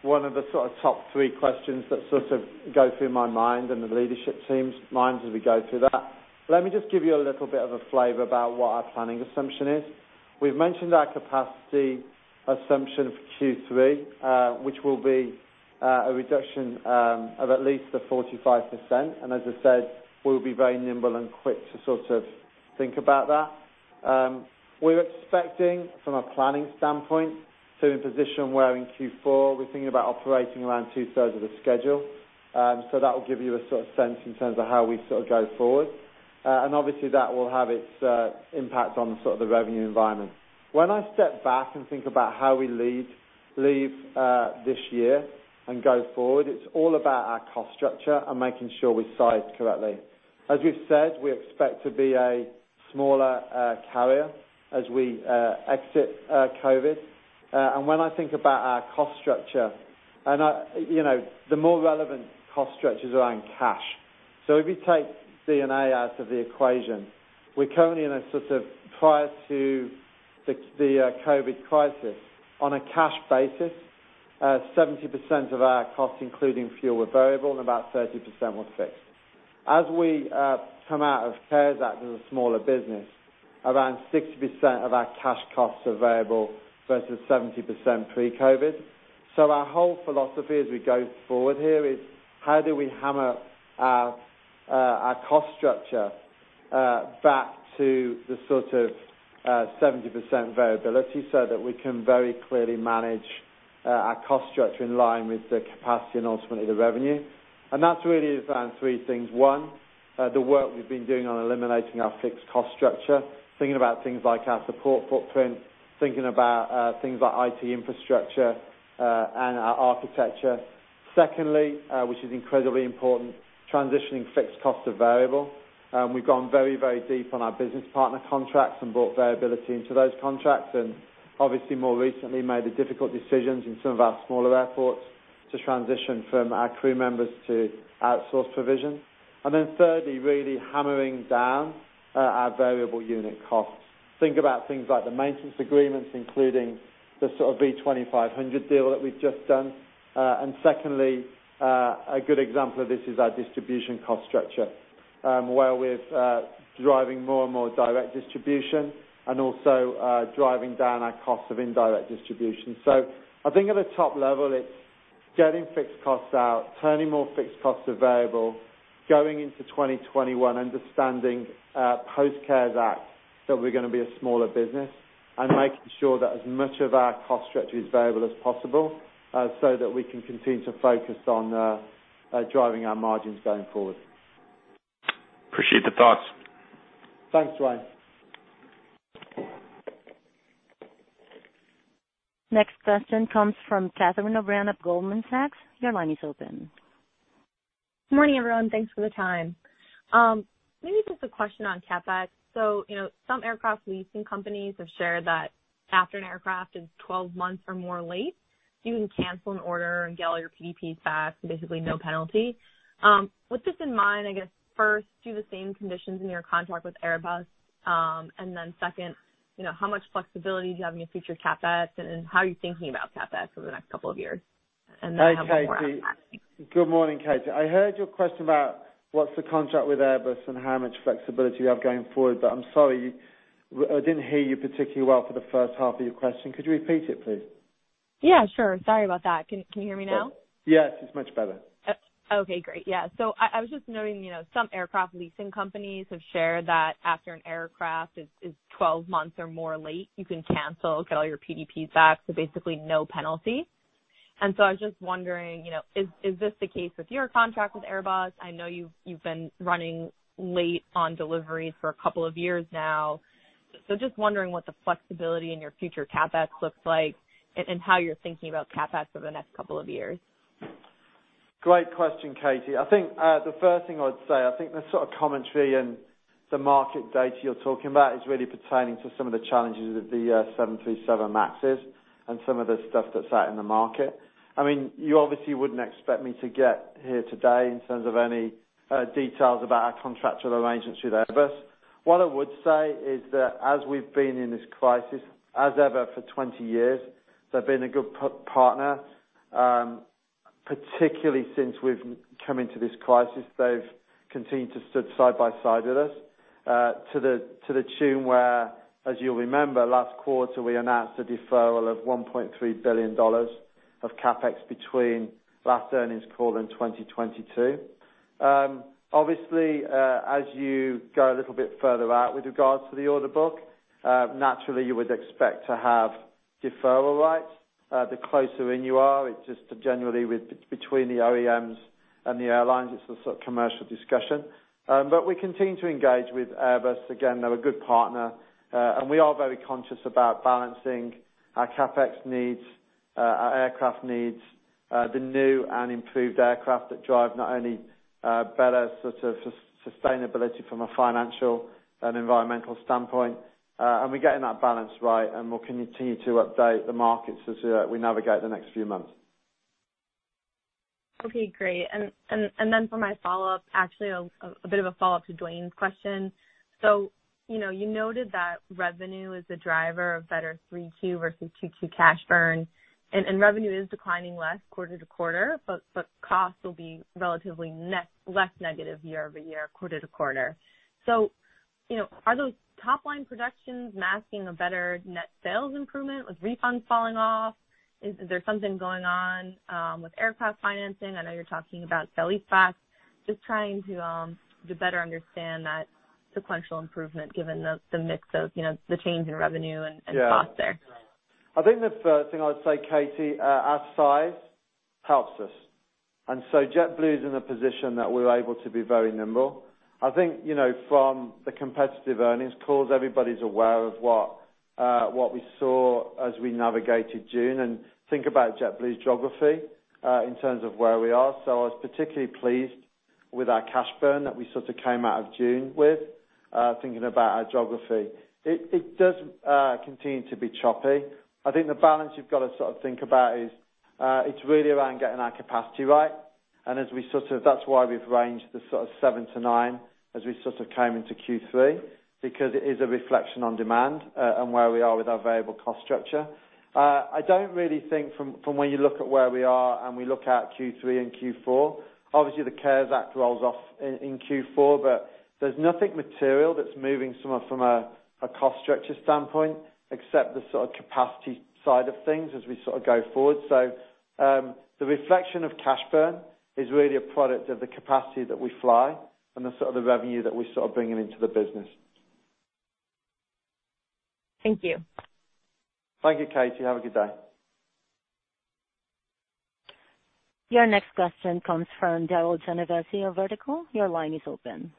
one of the sort of top three questions that sort of go through my mind and the leadership team's minds as we go through that. Let me just give you a little bit of a flavor about what our planning assumption is. We've mentioned our capacity assumption for Q3, which will be a reduction of at least the 45%. As I said, we'll be very nimble and quick to sort of think about that. We're expecting, from a planning standpoint, to be in a position where in Q4, we're thinking about operating around two-thirds of the schedule. That will give you a sort of sense in terms of how we sort of go forward. Obviously, that will have its impact on the sort of the revenue environment. When I step back and think about how we leave this year and go forward, it's all about our cost structure and making sure we're sized correctly. As we've said, we expect to be a smaller carrier as we exit COVID. When I think about our cost structure, and the more relevant cost structure is around cash. If you take [CARES Act] out of the equation, we're currently in a sort of prior to the COVID crisis, on a cash basis, 70% of our costs, including fuel, were variable and about 30% were fixed. As we come out of CARES Act as a smaller business, around 60% of our cash costs are variable versus 70% pre-COVID. Our whole philosophy as we go forward here is how do we hammer our cost structure back to the sort of 70% variability so that we can very clearly manage our cost structure in line with the capacity and ultimately the revenue. That's really around three things. One, the work we've been doing on eliminating our fixed cost structure, thinking about things like our support footprint, thinking about things like IT infrastructure, and our architecture. Secondly, which is incredibly important, transitioning fixed cost to variable. We've gone very deep on our business partner contracts and brought variability into those contracts and obviously more recently made the difficult decisions in some of our smaller airports to transition from our crew members to outsource provision. Thirdly, really hammering down our variable unit costs. Think about things like the maintenance agreements, including the sort of V2500 deal that we've just done. Secondly, a good example of this is our distribution cost structure, where we're driving more and more direct distribution and also driving down our cost of indirect distribution. I think at a top level, it's getting fixed costs out, turning more fixed costs to variable, going into 2021 understanding post-CARES Act that we're going to be a smaller business, and making sure that as much of our cost structure is variable as possible, so that we can continue to focus on driving our margins going forward. Appreciate the thoughts. Thanks, Duane. Next question comes from Catherine O'Brien of Goldman Sachs, your line is open. Morning everyone? Thanks for the time. Maybe just a question on CapEx. Some aircraft leasing companies have shared that after an aircraft is 12 months or more late, you can cancel an order and get all your PDPs back, so basically no penalty. With this in mind, I guess first, do the same conditions in your contract with Airbus. Second, how much flexibility do you have in your future CapEx, and how are you thinking about CapEx over the next couple of years? I have one more after. Good morning, Catherine. I heard your question about what's the contract with Airbus and how much flexibility you have going forward, but I'm sorry, I didn't hear you particularly well for the first half of your question. Could you repeat it, please? Yeah, sure. Sorry about that. Can you hear me now? Yes, it's much better. Okay, great. Yeah. I was just noting some aircraft leasing companies have shared that after an aircraft is 12 months or more late, you can cancel, get all your PDPs back, so basically no penalty. I was just wondering, is this the case with your contract with Airbus? I know you've been running late on deliveries for a couple of years now. Just wondering what the flexibility in your future CapEx looks like and how you're thinking about CapEx over the next couple of years. Great question, Catherine. I think the first thing I would say, I think the sort of commentary and the market data you're talking about is really pertaining to some of the challenges of the 737 MAX and some of the stuff that's out in the market. I mean, you obviously wouldn't expect me to get here today in terms of any details about our contractual arrangements with Airbus. What I would say is that as we've been in this crisis, as ever for 20 years, they've been a good partner. Particularly since we've come into this crisis, they've continued to stand side by side with us, to the tune where, as you'll remember, last quarter, we announced a deferral of $1.3 billion of CapEx between last earnings call and 2022. Obviously, as you go a little bit further out with regards to the order book, naturally you would expect to have deferral rights. The closer in you are, it's just generally between the OEMs and the airlines, it's a sort of commercial discussion. We continue to engage with Airbus. Again, they're a good partner. We are very conscious about balancing our CapEx needs. Our aircraft needs the new and improved aircraft that drive not only better sort of sustainability from a financial and environmental standpoint. We're getting that balance right, and we'll continue to update the markets as we navigate the next few months. Okay, great. For my follow-up, actually a bit of a follow-up to Duane's question. You noted that revenue is the driver of better 3Q versus 2Q cash burn, revenue is declining less quarter-to-quarter, but costs will be relatively less negative year-over-year, quarter-to-quarter. Are those top-line productions masking a better net sales improvement with refunds falling off? Is there something going on with aircraft financing? I know you're talking about leasebacks. I'm just trying to better understand that sequential improvement given the mix of the change in revenue and costs there. I think the first thing I would say, Catherine, our size helps us. JetBlue is in a position that we're able to be very nimble. I think, from the competitive earnings calls, everybody's aware of what we saw as we navigated June, and think about JetBlue's geography in terms of where we are. I was particularly pleased with our cash burn that we sort of came out of June with, thinking about our geography. It does continue to be choppy. I think the balance you've got to sort of think about is it's really around getting our capacity right. That's why we've ranged the sort of 7-9 as we sort of came into Q3 because it is a reflection on demand and where we are with our variable cost structure. I don't really think from when you look at where we are and we look out Q3 and Q4, obviously the CARES Act rolls off in Q4. There's nothing material that's moving from a cost structure standpoint, except the sort of capacity side of things as we sort of go forward. The reflection of cash burn is really a product of the capacity that we fly and the sort of revenue that we're sort of bringing into the business. Thank you. Thank you, Catherine. Have a good day. Your next question comes from Darryl Genovesi of Vertical, your line is open.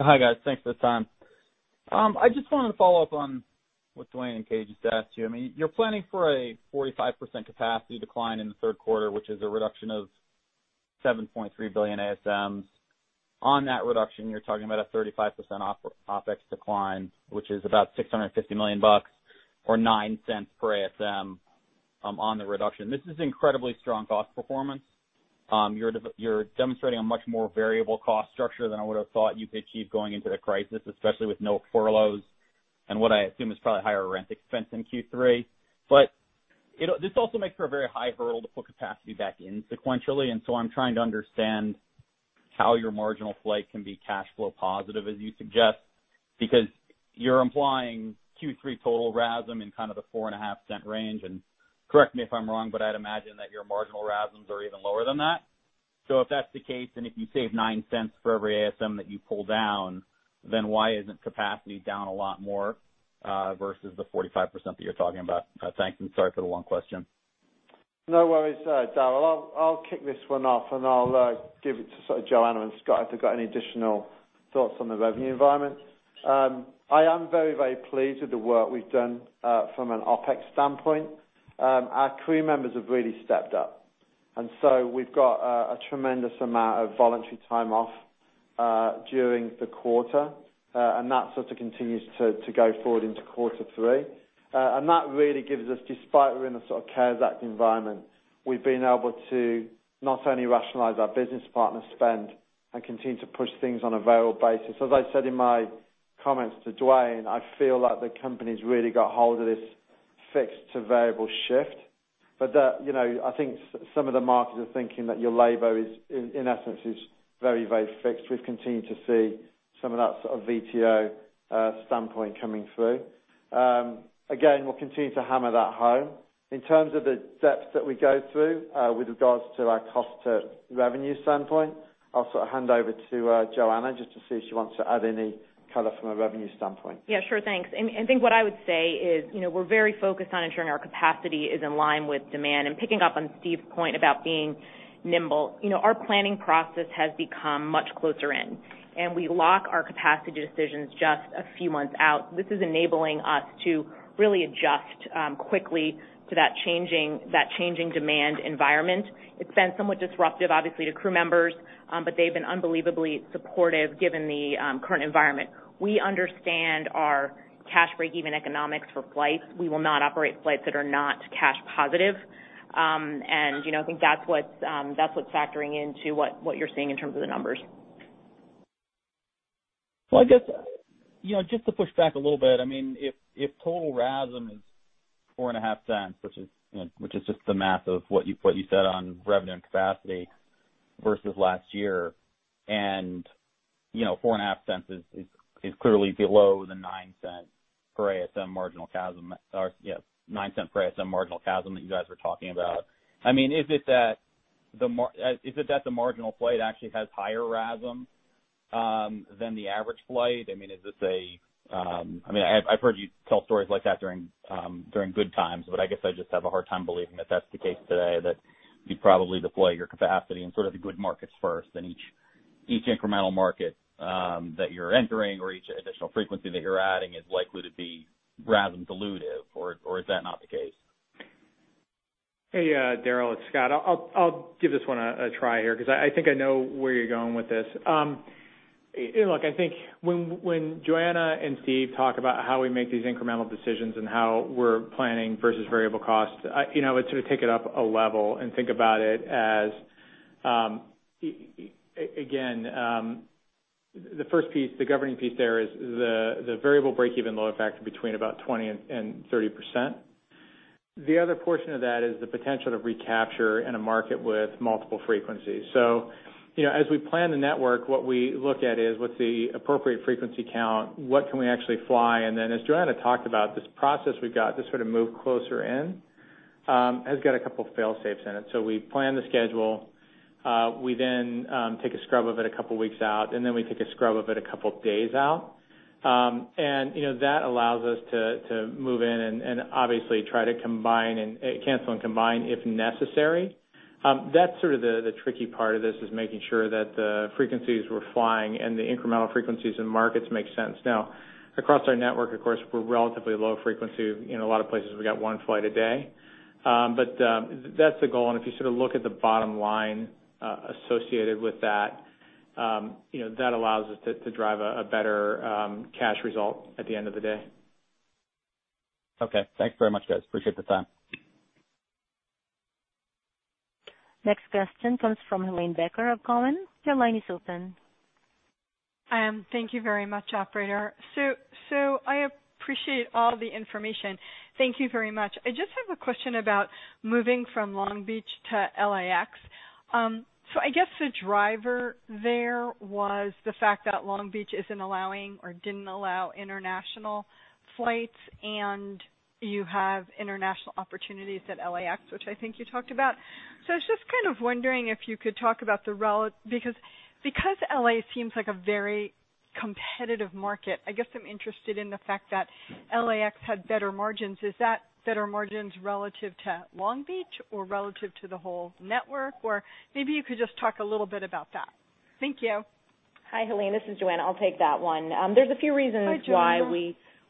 Hi, guys? Thanks for the time. I just wanted to follow up on what Duane and Catherine just asked you. You're planning for a 45% capacity decline in the third quarter, which is a reduction of 7.3 billion ASMs. On that reduction, you're talking about a 35% OpEx decline, which is about $650 million or $0.09 per ASM on the reduction. This is incredibly strong cost performance. You're demonstrating a much more variable cost structure than I would've thought you could achieve going into the crisis, especially with no furloughs and what I assume is probably higher rent expense in Q3. This also makes for a very high hurdle to put capacity back in sequentially. I'm trying to understand how your marginal flight can be cash flow positive as you suggest. You're implying Q3 total RASM in kind of the $0.045 range. Correct me if I'm wrong, I'd imagine that your marginal RASMs are even lower than that. If that's the case, if you save $0.09 for every ASM that you pull down, why isn't capacity down a lot more versus the 45% that you're talking about? Thanks. Sorry for the long question. No worries, Darryl. I'll kick this one off. I'll give it to Joanna and Scott if they've got any additional thoughts on the revenue environment. I am very, very pleased with the work we've done from an OpEx standpoint. Our crew members have really stepped up. We've got a tremendous amount of voluntary time off during the quarter. That sort of continues to go forward into quarter three. That really gives us, despite we're in a sort of CARES Act environment, we've been able to not only rationalize our business partner spend and continue to push things on a variable basis. As I said in my comments to Duane, I feel like the company's really got hold of this fixed to variable shift. I think some of the markets are thinking that your labor is, in essence, is very, very fixed. We've continued to see some of that sort of VTO standpoint coming through. We'll continue to hammer that home. In terms of the depth that we go through with regards to our cost to revenue standpoint, I'll hand over to Joanna just to see if she wants to add any color from a revenue standpoint. Yeah, sure. Thanks. I think what I would say is we're very focused on ensuring our capacity is in line with demand. Picking up on Steve's point about being nimble, our planning process has become much closer in, and we lock our capacity decisions just a few months out. This is enabling us to really adjust quickly to that changing demand environment. It's been somewhat disruptive, obviously, to crew members, but they've been unbelievably supportive given the current environment. We understand our cash break-even economics for flights. We will not operate flights that are not cash positive. I think that's what's factoring into what you're seeing in terms of the numbers. Well, I guess, just to push back a little bit, if total RASM is $0.045, which is just the math of what you said on revenue and capacity versus last year, $0.045 is clearly below the $0.09 per ASM marginal CASM that you guys were talking about. Is it that the marginal flight actually has higher RASM than the average flight? I've heard you tell stories like that during good times, I guess I just have a hard time believing that that's the case today, that you probably deploy your capacity in sort of the good markets first Each incremental market that you're entering or each additional frequency that you're adding is likely to be rather dilutive, or is that not the case? Hey, Darryl, it's Scott. I'll give this one a try here because I think I know where you're going with this. Look, I think when Joanna and Steve talk about how we make these incremental decisions and how we're planning versus variable costs, I take it up a level and think about it as, again, the first piece, the governing piece there is the variable break-even load factor between about 20% and 30%. The other portion of that is the potential to recapture in a market with multiple frequencies. As we plan the network, what we look at is what's the appropriate frequency count, what can we actually fly, and then as Joanna talked about, this process we've got to sort of move closer in, has got a couple fail-safes in it. We plan the schedule, we then take a scrub of it a couple of weeks out, and then we take a scrub of it a couple of days out. That allows us to move in and obviously try to cancel and combine if necessary. That's sort of the tricky part of this is making sure that the frequencies we're flying and the incremental frequencies in markets make sense. Now, across our network, of course, we're relatively low frequency. In a lot of places, we got one flight a day. That's the goal, and if you look at the bottom line associated with that allows us to drive a better cash result at the end of the day. Okay. Thanks very much, guys. Appreciate the time. Next question comes from Helane Becker of Cowen, your line is open. Thank you very much, Operator. I appreciate all the information. Thank you very much. I just have a question about moving from Long Beach to LAX. I guess the driver there was the fact that Long Beach isn't allowing or didn't allow international flights, and you have international opportunities at LAX, which I think you talked about. I was just kind of wondering if you could talk about the because L.A. seems like a very competitive market, I guess I'm interested in the fact that LAX had better margins. Is that better margins relative to Long Beach or relative to the whole network? Or maybe you could just talk a little bit about that. Thank you. Hi, Helane? This is Joanna. I'll take that one. There's a few reasons. Hi,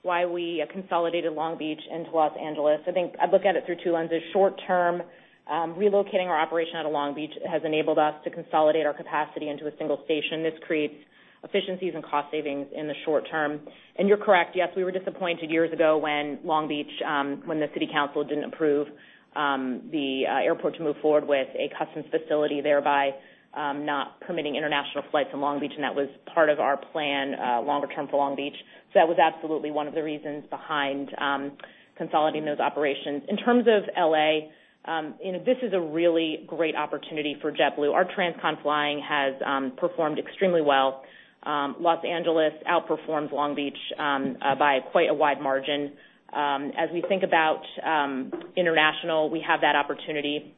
Joanna. We consolidated Long Beach into Los Angeles. I look at it through two lenses. Short-term, relocating our operation out of Long Beach has enabled us to consolidate our capacity into a single station. This creates efficiencies and cost savings in the short term. You're correct, yes, we were disappointed years ago when Long Beach, when the city council didn't approve the airport to move forward with a customs facility, thereby not permitting international flights from Long Beach, and that was part of our plan longer term for Long Beach. That was absolutely one of the reasons behind consolidating those operations. In terms of L.A., this is a really great opportunity for JetBlue. Our transcon flying has performed extremely well. Los Angeles outperforms Long Beach by quite a wide margin. As we think about international, we have that opportunity.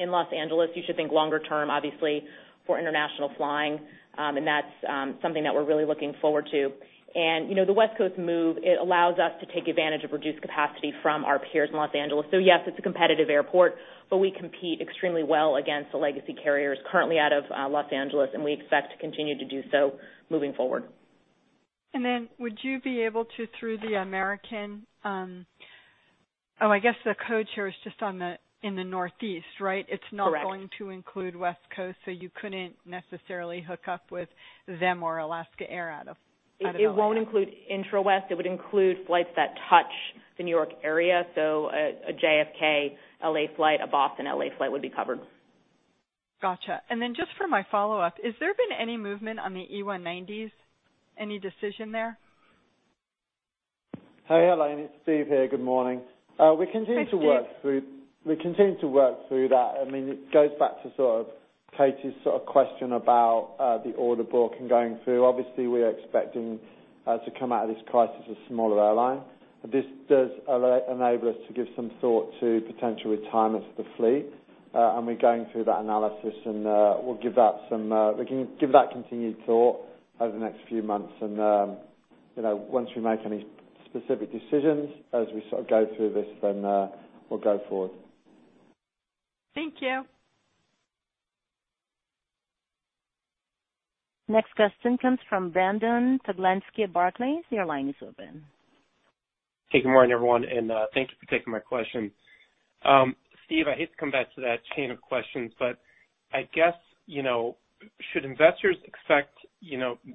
In L.A., you should think longer term, obviously, for international flying, that's something that we're really looking forward to. The West Coast move, it allows us to take advantage of reduced capacity from our peers in L.A. Yes, it's a competitive airport, we compete extremely well against the legacy carriers currently out of L.A., we expect to continue to do so moving forward. Would you be able to, through the American, oh, I guess the code share is just in the Northeast, right? Correct. It's not going to include West Coast. You couldn't necessarily hook up with them or Alaska Air out of L.A. It won't include intra-West. It would include flights that touch the New York area. A JFK-L.A. flight, a Boston-L.A. flight would be covered. Got you. Just for my follow-up, has there been any movement on the E190s? Any decision there? Hey, Helane, it's Steve here. Good morning? Hi, Steve. We continue to work through that. It goes back to sort of Katie's question about the order book and going through. Obviously, we are expecting to come out of this crisis a smaller airline. This does enable us to give some thought to potential retirement of the fleet. We're going through that analysis, and we can give that continued thought over the next few months. Once we make any specific decisions as we go through this, then we'll go forward. Thank you. Next question comes from Brandon Oglenski at Barclays, your line is open. Hey, good morning everyone? Thank you for taking my question. Steve, I hate to come back to that chain of questions. I guess should investors expect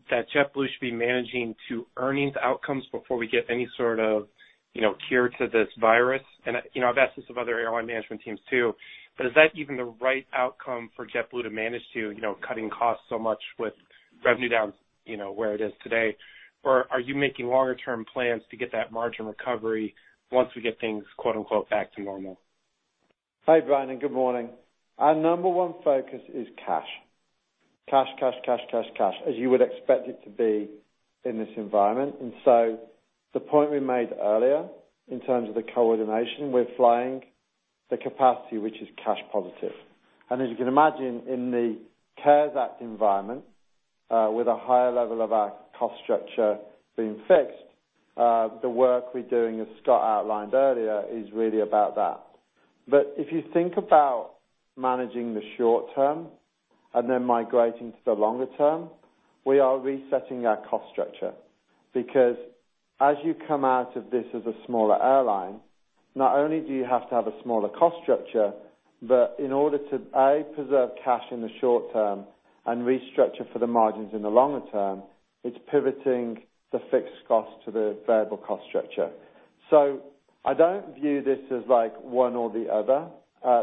that JetBlue should be managing to earnings outcomes before we get any sort of cure to this virus? I've asked this of other airline management teams too. Is that even the right outcome for JetBlue to manage to, cutting costs so much with revenue down where it is today? Are you making longer term plans to get that margin recovery once we get things, quote unquote, back to normal? Hi, Brandon. Good morning. Our number one focus is cash. Cash, cash, cash. As you would expect it to be in this environment. The point we made earlier in terms of the coordination, we're flying the capacity which is cash positive. As you can imagine in the CARES Act environment, with a higher level of our cost structure being fixed. The work we're doing, as Scott outlined earlier, is really about that. If you think about managing the short term and then migrating to the longer term, we are resetting our cost structure. As you come out of this as a smaller airline, not only do you have to have a smaller cost structure, but in order to, A, preserve cash in the short term and restructure for the margins in the longer term, it's pivoting the fixed cost to the variable cost structure. I don't view this as one or the other.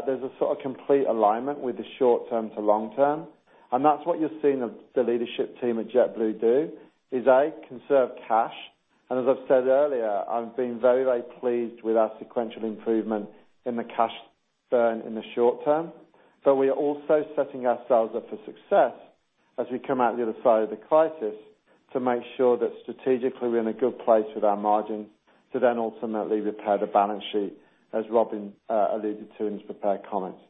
There's a sort of complete alignment with the short term to long term, and that's what you're seeing the leadership team at JetBlue do, is, A, conserve cash. As I've said earlier, I've been very pleased with our sequential improvement in the cash burn in the short term. We are also setting ourselves up for success as we come out the other side of the crisis to make sure that strategically, we're in a good place with our margins to then ultimately repair the balance sheet, as Robin alluded to in his prepared comments.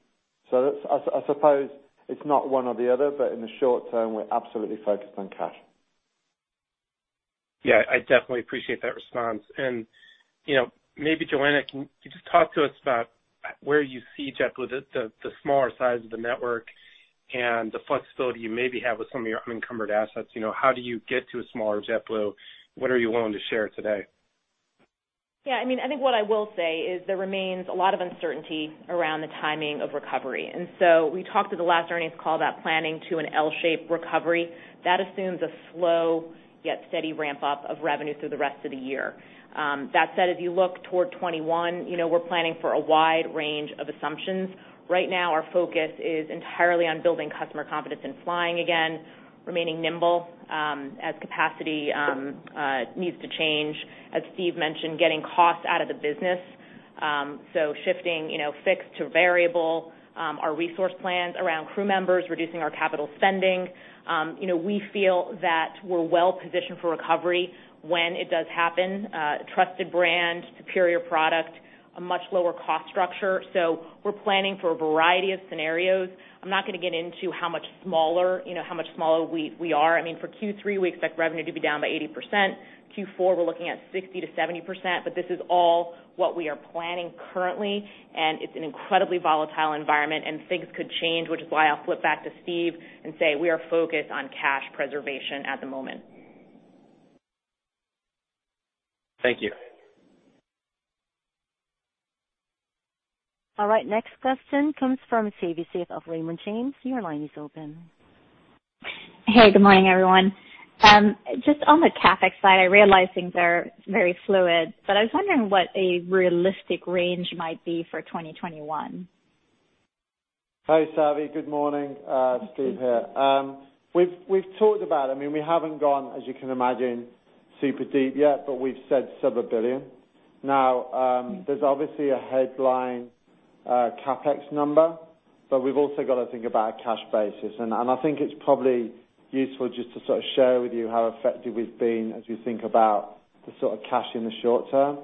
I suppose it's not one or the other, but in the short term, we're absolutely focused on cash. Yeah, I definitely appreciate that response. Maybe Joanna, can you just talk to us about where you see JetBlue, the smaller size of the network, and the flexibility you maybe have with some of your unencumbered assets. How do you get to a smaller JetBlue? What are you willing to share today? Yeah, I think what I will say is there remains a lot of uncertainty around the timing of recovery. We talked to the last earnings call about planning to an L-shaped recovery. That assumes a slow yet steady ramp-up of revenue through the rest of the year. That said, if you look toward 2021, we're planning for a wide range of assumptions. Right now, our focus is entirely on building customer confidence in flying again, remaining nimble as capacity needs to change, as Steve mentioned, getting cost out of the business. Shifting fixed to variable our resource plans around crew members, reducing our capital spending. We feel that we're well-positioned for recovery when it does happen. Trusted brand, superior product, a much lower cost structure. We're planning for a variety of scenarios. I'm not going to get into how much smaller we are. For Q3, we expect revenue to be down by 80%. Q4, we're looking at 60%-70%, but this is all what we are planning currently, and it's an incredibly volatile environment, and things could change. Which is why I'll flip back to Steve and say we are focused on cash preservation at the moment. Thank you. All right. Next question comes from Savi Syth of Raymond James, your line is open. Hey, good morning everyone? Just on the CapEx side, I realize things are very fluid, but I was wondering what a realistic range might be for 2021. Hi, Savi. Good morning. Steve here. We've talked about it. We haven't gone, as you can imagine, super deep yet, but we've said sub $1 billion. There's obviously a headline CapEx number, but we've also got to think about a cash basis. I think it's probably useful just to sort of share with you how effective we've been as we think about the sort of cash in the short term.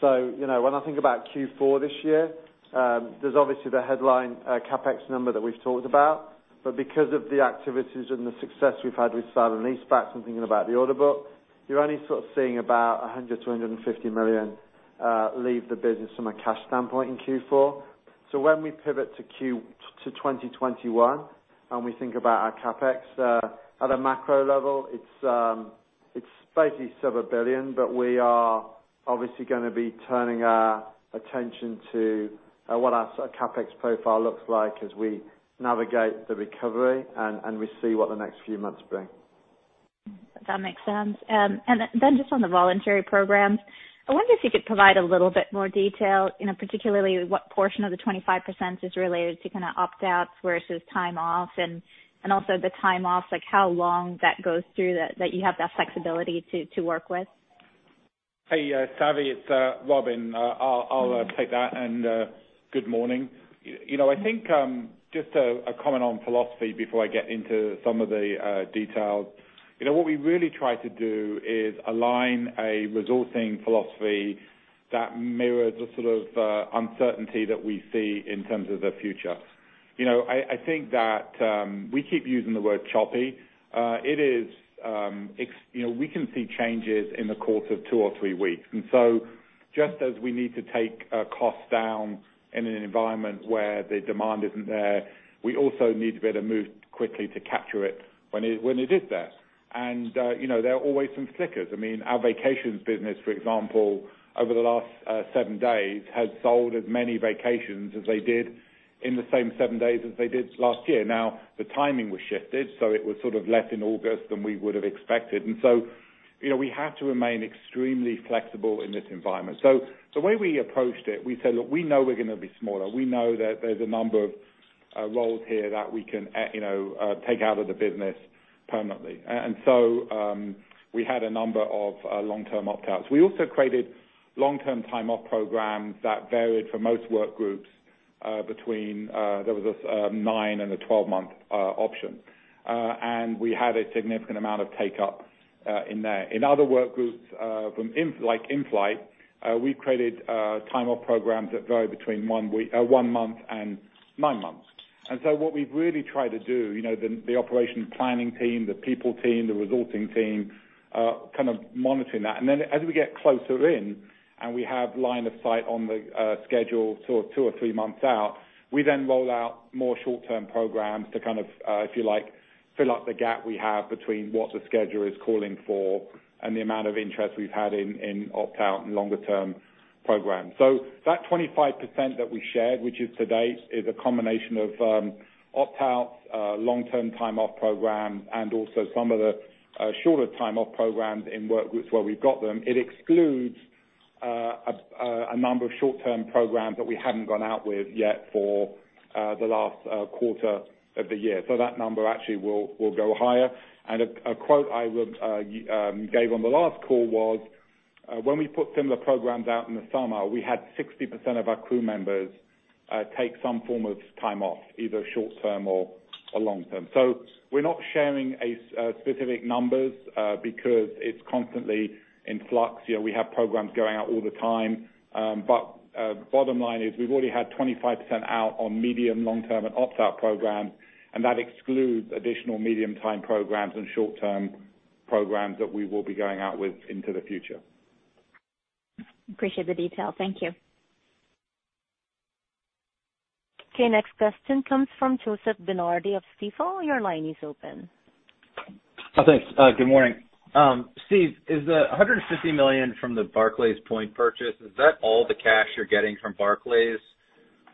When I think about Q4 this year, there's obviously the headline CapEx number that we've talked about. Because of the activities and the success we've had with sale and leaseback and thinking about the order book, you're only sort of seeing about $100 million-$150 million leave the business from a cash standpoint in Q4. When we pivot to 2021, and we think about our CapEx, at a macro level, it's basically sub $1 billion, but we are obviously going to be turning our attention to what our CapEx profile looks like as we navigate the recovery, and we see what the next few months bring. That makes sense. Just on the voluntary programs, I wonder if you could provide a little bit more detail, particularly what portion of the 25% is related to kind of opt-outs versus time off, and also the time off, like how long that goes through that you have that flexibility to work with. Hey, Savi, it's Robin. I'll take that. Good morning? I think just a comment on philosophy before I get into some of the details. What we really try to do is align a resourcing philosophy that mirrors the sort of uncertainty that we see in terms of the future. I think that we keep using the word choppy. We can see changes in the course of two or three weeks. Just as we need to take our costs down in an environment where the demand isn't there, we also need to be able to move quickly to capture it when it is there. There are always some flickers. Our JetBlue Vacations, for example, over the last seven days, has sold as many vacations as they did in the same seven days as they did last year. The timing was shifted, so it was sort of less in August than we would have expected. We have to remain extremely flexible in this environment. The way we approached it, we said, look, we know we're going to be smaller. We know that there's a number of roles here that we can take out of the business permanently. We had a number of long-term opt-outs. We also created long-term time-off programs that varied for most work groups between, there was a nine and a 12-month option. We had a significant amount of take-up in there. In other work groups, like in-flight, we created time-off programs that vary between one month and nine months. What we've really tried to do, the operation planning team, the people team, the resourcing team, kind of monitoring that. As we get closer in and we have line of sight on the schedule sort of two or three months out. We roll out more short-term programs to kind of, if you like, fill up the gap we have between what the schedule is calling for and the amount of interest we've had in opt-out and longer-term programs. That 25% that we shared, which is to date, is a combination of opt-outs, long-term time off program, and also some of the shorter time off programs in work where we've got them. It excludes a number of short-term programs that we hadn't gone out with yet for the last quarter of the year. That number actually will go higher. A quote I gave on the last call was, when we put similar programs out in the summer, we had 60% of our crew members take some form of time off, either short-term or long-term. We're not sharing specific numbers because it's constantly in flux. We have programs going out all the time. Bottom line is, we've already had 25% out on medium, long-term, and opt-out programs, and that excludes additional medium-term programs and short-term programs that we will be going out with into the future. Appreciate the detail. Thank you. Okay. Next question comes from Joseph DeNardi of Stifel, your line is open. Thanks. Good morning? Steve, is the $150 million from the Barclays point purchase all the cash you're getting from Barclays?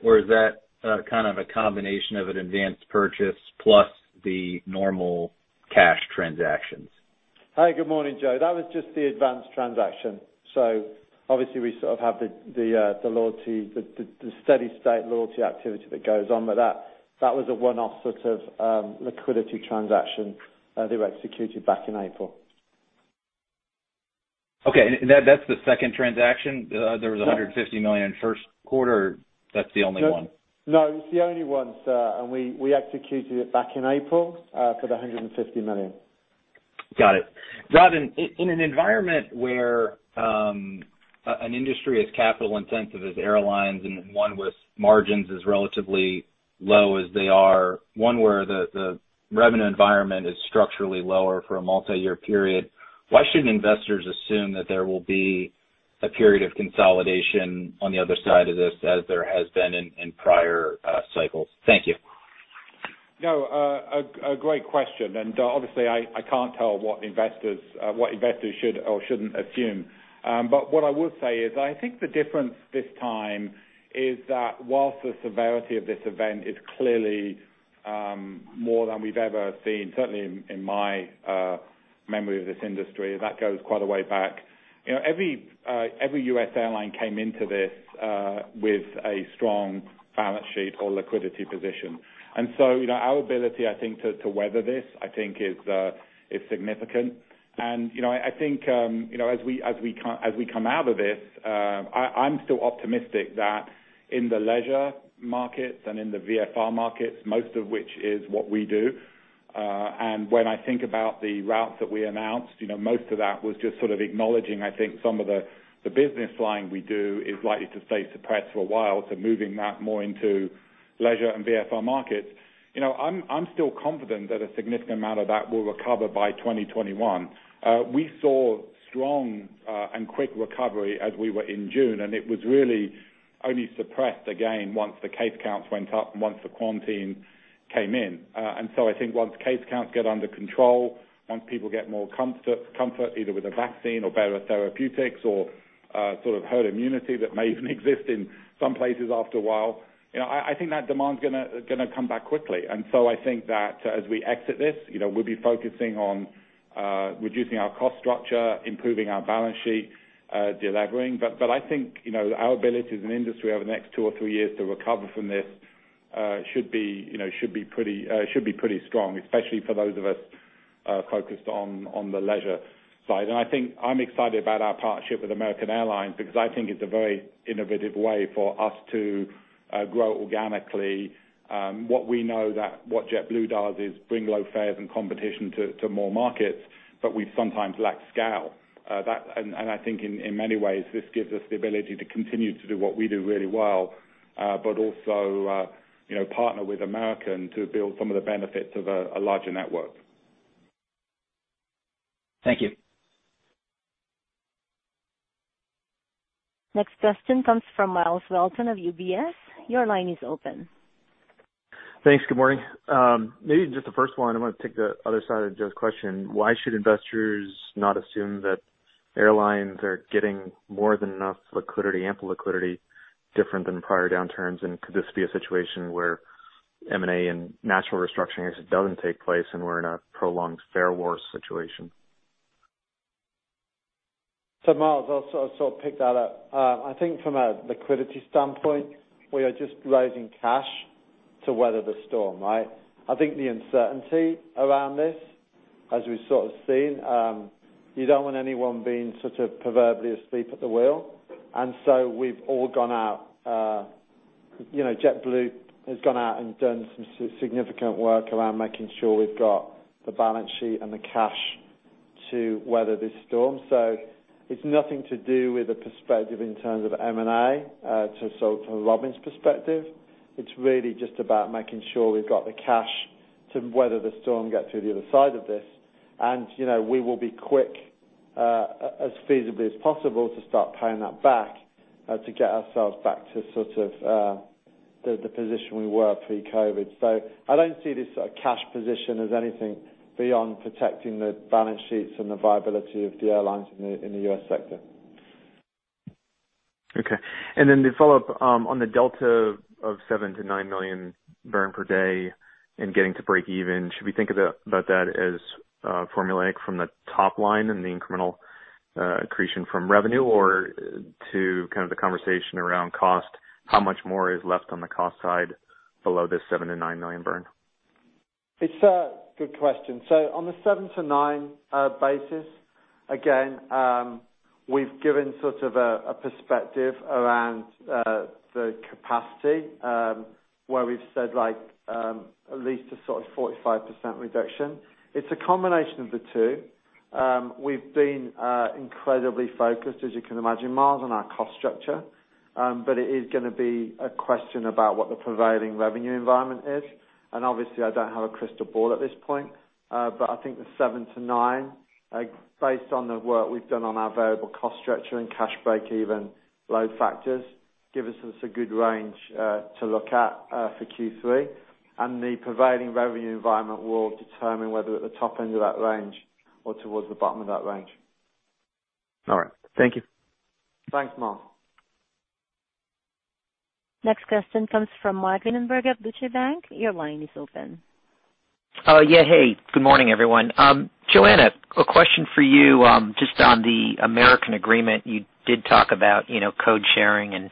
Is that kind of a combination of an advanced purchase plus the normal cash transactions? Hi, good morning, Joseph. That was just the advanced transaction. Obviously we sort of have the steady state loyalty activity that goes on, but that was a one-off sort of liquidity transaction that we executed back in April. Okay. That's the second transaction? There was $150 million in first quarter, or that's the only one? No, it's the only one, sir. We executed it back in April for the $150 million. Got it. Robin, in an environment where an industry as capital intensive as airlines and one with margins as relatively low as they are, one where the revenue environment is structurally lower for a multi-year period, why should investors assume that there will be a period of consolidation on the other side of this as there has been in prior cycles? Thank you. No. A great question, and obviously I can't tell what investors should or shouldn't assume. What I would say is, I think the difference this time is that whilst the severity of this event is clearly more than we've ever seen, certainly in my memory of this industry, that goes quite a way back. Every U.S. airline came into this with a strong balance sheet or liquidity position. So, our ability, I think to weather this, I think is significant. I think as we come out of this, I'm still optimistic that in the leisure markets and in the VFR markets, most of which is what we do. When I think about the routes that we announced, most of that was just sort of acknowledging, I think some of the business line we do is likely to stay suppressed for a while. Moving that more into leisure and VFR markets. I'm still confident that a significant amount of that will recover by 2021. We saw strong and quick recovery as we were in June, and it was really only suppressed again once the case counts went up and once the quarantine came in. I think once case counts get under control, once people get more comfort, either with a vaccine or better therapeutics or sort of herd immunity that may even exist in some places after a while, I think that demand is going to come back quickly. I think that as we exit this, we'll be focusing on reducing our cost structure, improving our balance sheet, de-levering. I think, our ability as an industry over the next two years or three years to recover from this should be pretty strong, especially for those of us focused on the leisure side. I think I'm excited about our partnership with American Airlines because I think it's a very innovative way for us to grow organically. What we know that what JetBlue does is bring low fares and competition to more markets, but we sometimes lack scale. I think in many ways, this gives us the ability to continue to do what we do really well, but also partner with American to build some of the benefits of a larger network. Thank you. Next question comes from Myles Walton of UBS, your line is open. Thanks. Good morning? Maybe just the first one, I want to take the other side of Joe's question. Why should investors not assume that airlines are getting more than enough liquidity, ample liquidity, different than prior downturns? Could this be a situation where M&A and natural restructuring doesn't take place and we're in a prolonged fare war situation? Myles, I'll sort of pick that up. I think from a liquidity standpoint, we are just raising cash to weather the storm, right? I think the uncertainty around this, as we've sort of seen, you don't want anyone being sort of proverbially asleep at the wheel. We've all gone out. JetBlue has gone out and done some significant work around making sure we've got the balance sheet and the cash to weather this storm. It's nothing to do with the perspective in terms of M&A. From Robin's perspective, it's really just about making sure we've got the cash to weather the storm, get to the other side of this. We will be quick. As feasibly as possible to start paying that back to get ourselves back to sort of the position we were pre-COVID. I don't see this cash position as anything beyond protecting the balance sheets and the viability of the airlines in the U.S. sector. Okay. To follow up on the delta of $7 million-$9 million burn per day and getting to breakeven, should we think about that as formulaic from the top line and the incremental accretion from revenue? To kind of the conversation around cost, how much more is left on the cost side below the $7 million-$9 million burn? It's a good question. On the $7 million-$9 million basis, again, we've given sort of a perspective around the capacity, where we've said at least a sort of 45% reduction. It's a combination of the two. We've been incredibly focused, as you can imagine, Myles, on our cost structure. It is going to be a question about what the prevailing revenue environment is. Obviously, I don't have a crystal ball at this point. I think the $7 million-$9 million, based on the work we've done on our variable cost structure and cash breakeven load factors, gives us a good range to look at for Q3. The prevailing revenue environment will determine whether at the top end of that range or towards the bottom of that range. All right. Thank you. Thanks, Myles. Next question comes from Mike Linenberg of Deutsche Bank, your line is open. Yeah. Hey, good morning everyone? Joanna, a question for you just on the American agreement. You did talk about code sharing and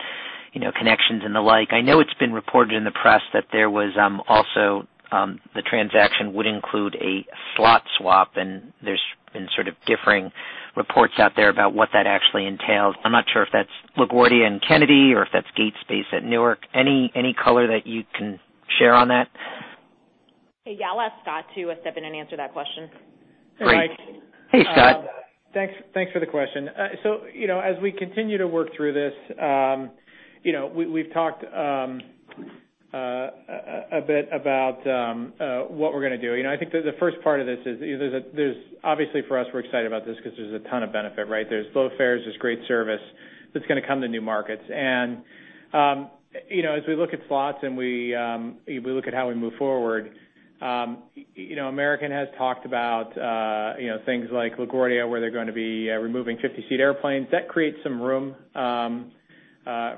connections and the like. I know it's been reported in the press that there was also the transaction would include a slot swap, and there's been sort of differing reports out there about what that actually entails. I'm not sure if that's LaGuardia and Kennedy or if that's gate space at Newark. Any color that you can share on that? Hey, yeah, I'll ask Scott to step in and answer that question. Great. Hey, Mike? Hey, Scott. Thanks for the question. As we continue to work through this, we've talked a bit about what we're going to do. I think that the first part of this is, obviously for us, we're excited about this because there's a ton of benefit, right? There's low fares, there's great service, that's going to come to new markets. As we look at slots and we look at how we move forward, American has talked about things like LaGuardia, where they're going to be removing 50-seat airplanes. That creates some room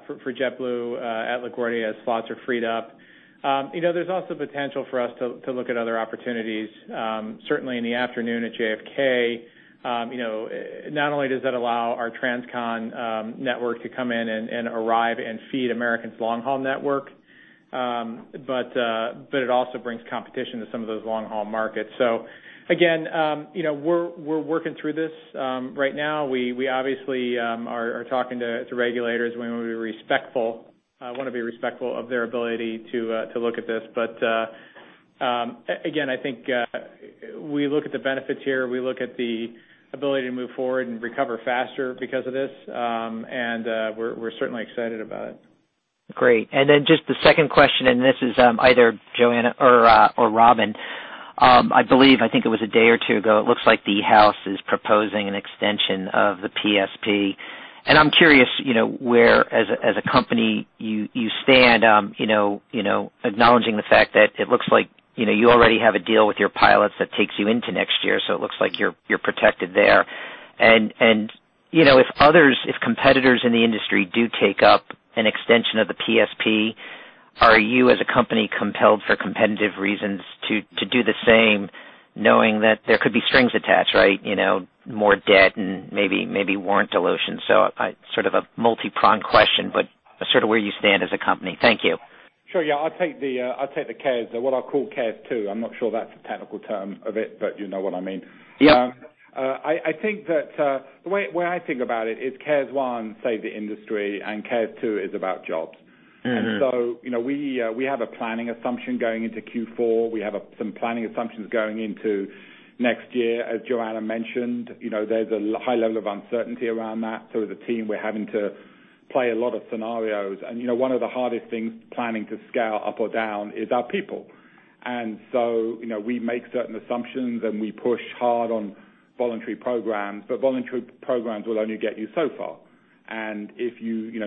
for JetBlue at LaGuardia as slots are freed up. There's also potential for us to look at other opportunities, certainly in the afternoon at JFK. Not only does that allow our transcon network to come in and arrive and feed American's long-haul network, but it also brings competition to some of those long-haul markets. Again, we're working through this right now. We obviously are talking to regulators. We want to be respectful of their ability to look at this. Again, I think we look at the benefits here. We look at the ability to move forward and recover faster because of this, and we're certainly excited about it. Great. Just the second question, this is either Joanna or Robin. It was a day or two ago, it looks like the House is proposing an extension of the PSP. I'm curious where, as a company, you stand, acknowledging the fact that it looks like you already have a deal with your pilots that takes you into next year, so it looks like you're protected there. If competitors in the industry do take up an extension of the PSP, are you, as a company, compelled for competitive reasons to do the same, knowing that there could be strings attached, right? More debt and maybe warrant dilution. Sort of a multi-pronged question, sort of where you stand as a company. Thank you. Sure. Yeah. I'll take the CARES, what I'll call CARES 2. I'm not sure that's the technical term of it, but you know what I mean. Yeah. The way I think about it is CARES 1 saved the industry and CARES 2 is about jobs. We have a planning assumption going into Q4. We have some planning assumptions going into next year. As Joanna mentioned, there's a high level of uncertainty around that. As a team, we're having to play a lot of scenarios. One of the hardest things planning to scale up or down is our people. We make certain assumptions, and we push hard on voluntary programs, but voluntary programs will only get you so far.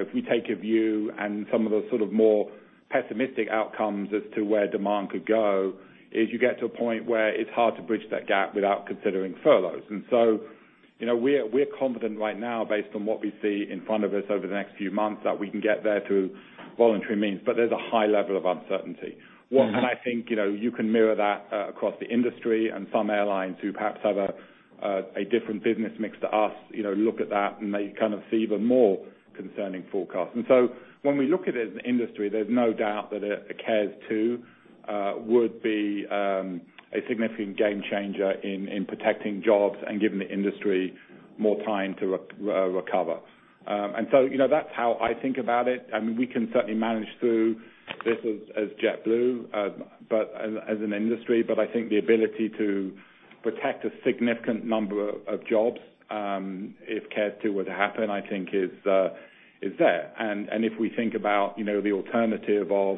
If we take a view and some of the sort of more pessimistic outcomes as to where demand could go, is you get to a point where it's hard to bridge that gap without considering furloughs. We're confident right now based on what we see in front of us over the next few months that we can get there through voluntary means, but there's a high level of uncertainty. I think you can mirror that across the industry, and some airlines who perhaps have a different business mix to us look at that and may kind of see even more concerning forecasts. When we look at it as an industry, there's no doubt that a CARES 2 would be a significant game changer in protecting jobs and giving the industry more time to recover. That's how I think about it. I mean, we can certainly manage through this as JetBlue, as an industry, but I think the ability to protect a significant number of jobs if CARES 2 were to happen, I think is there. If we think about the alternative of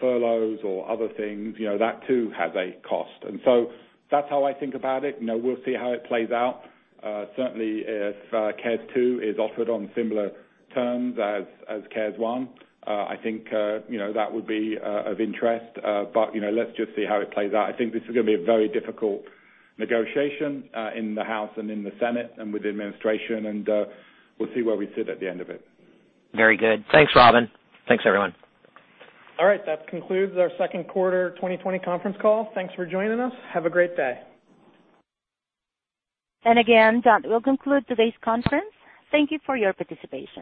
furloughs or other things, that too has a cost. That's how I think about it. We'll see how it plays out. Certainly, if CARES 2 is offered on similar terms as CARES 1, I think that would be of interest. Let's just see how it plays out. I think this is going to be a very difficult negotiation in the House and in the Senate and with the administration, and we'll see where we sit at the end of it. Very good. Thanks, Robin. Thanks, everyone. All right. That concludes our second quarter 2020 conference call. Thanks for joining us. Have a great day. Again, that will conclude today's conference. Thank you for your participation.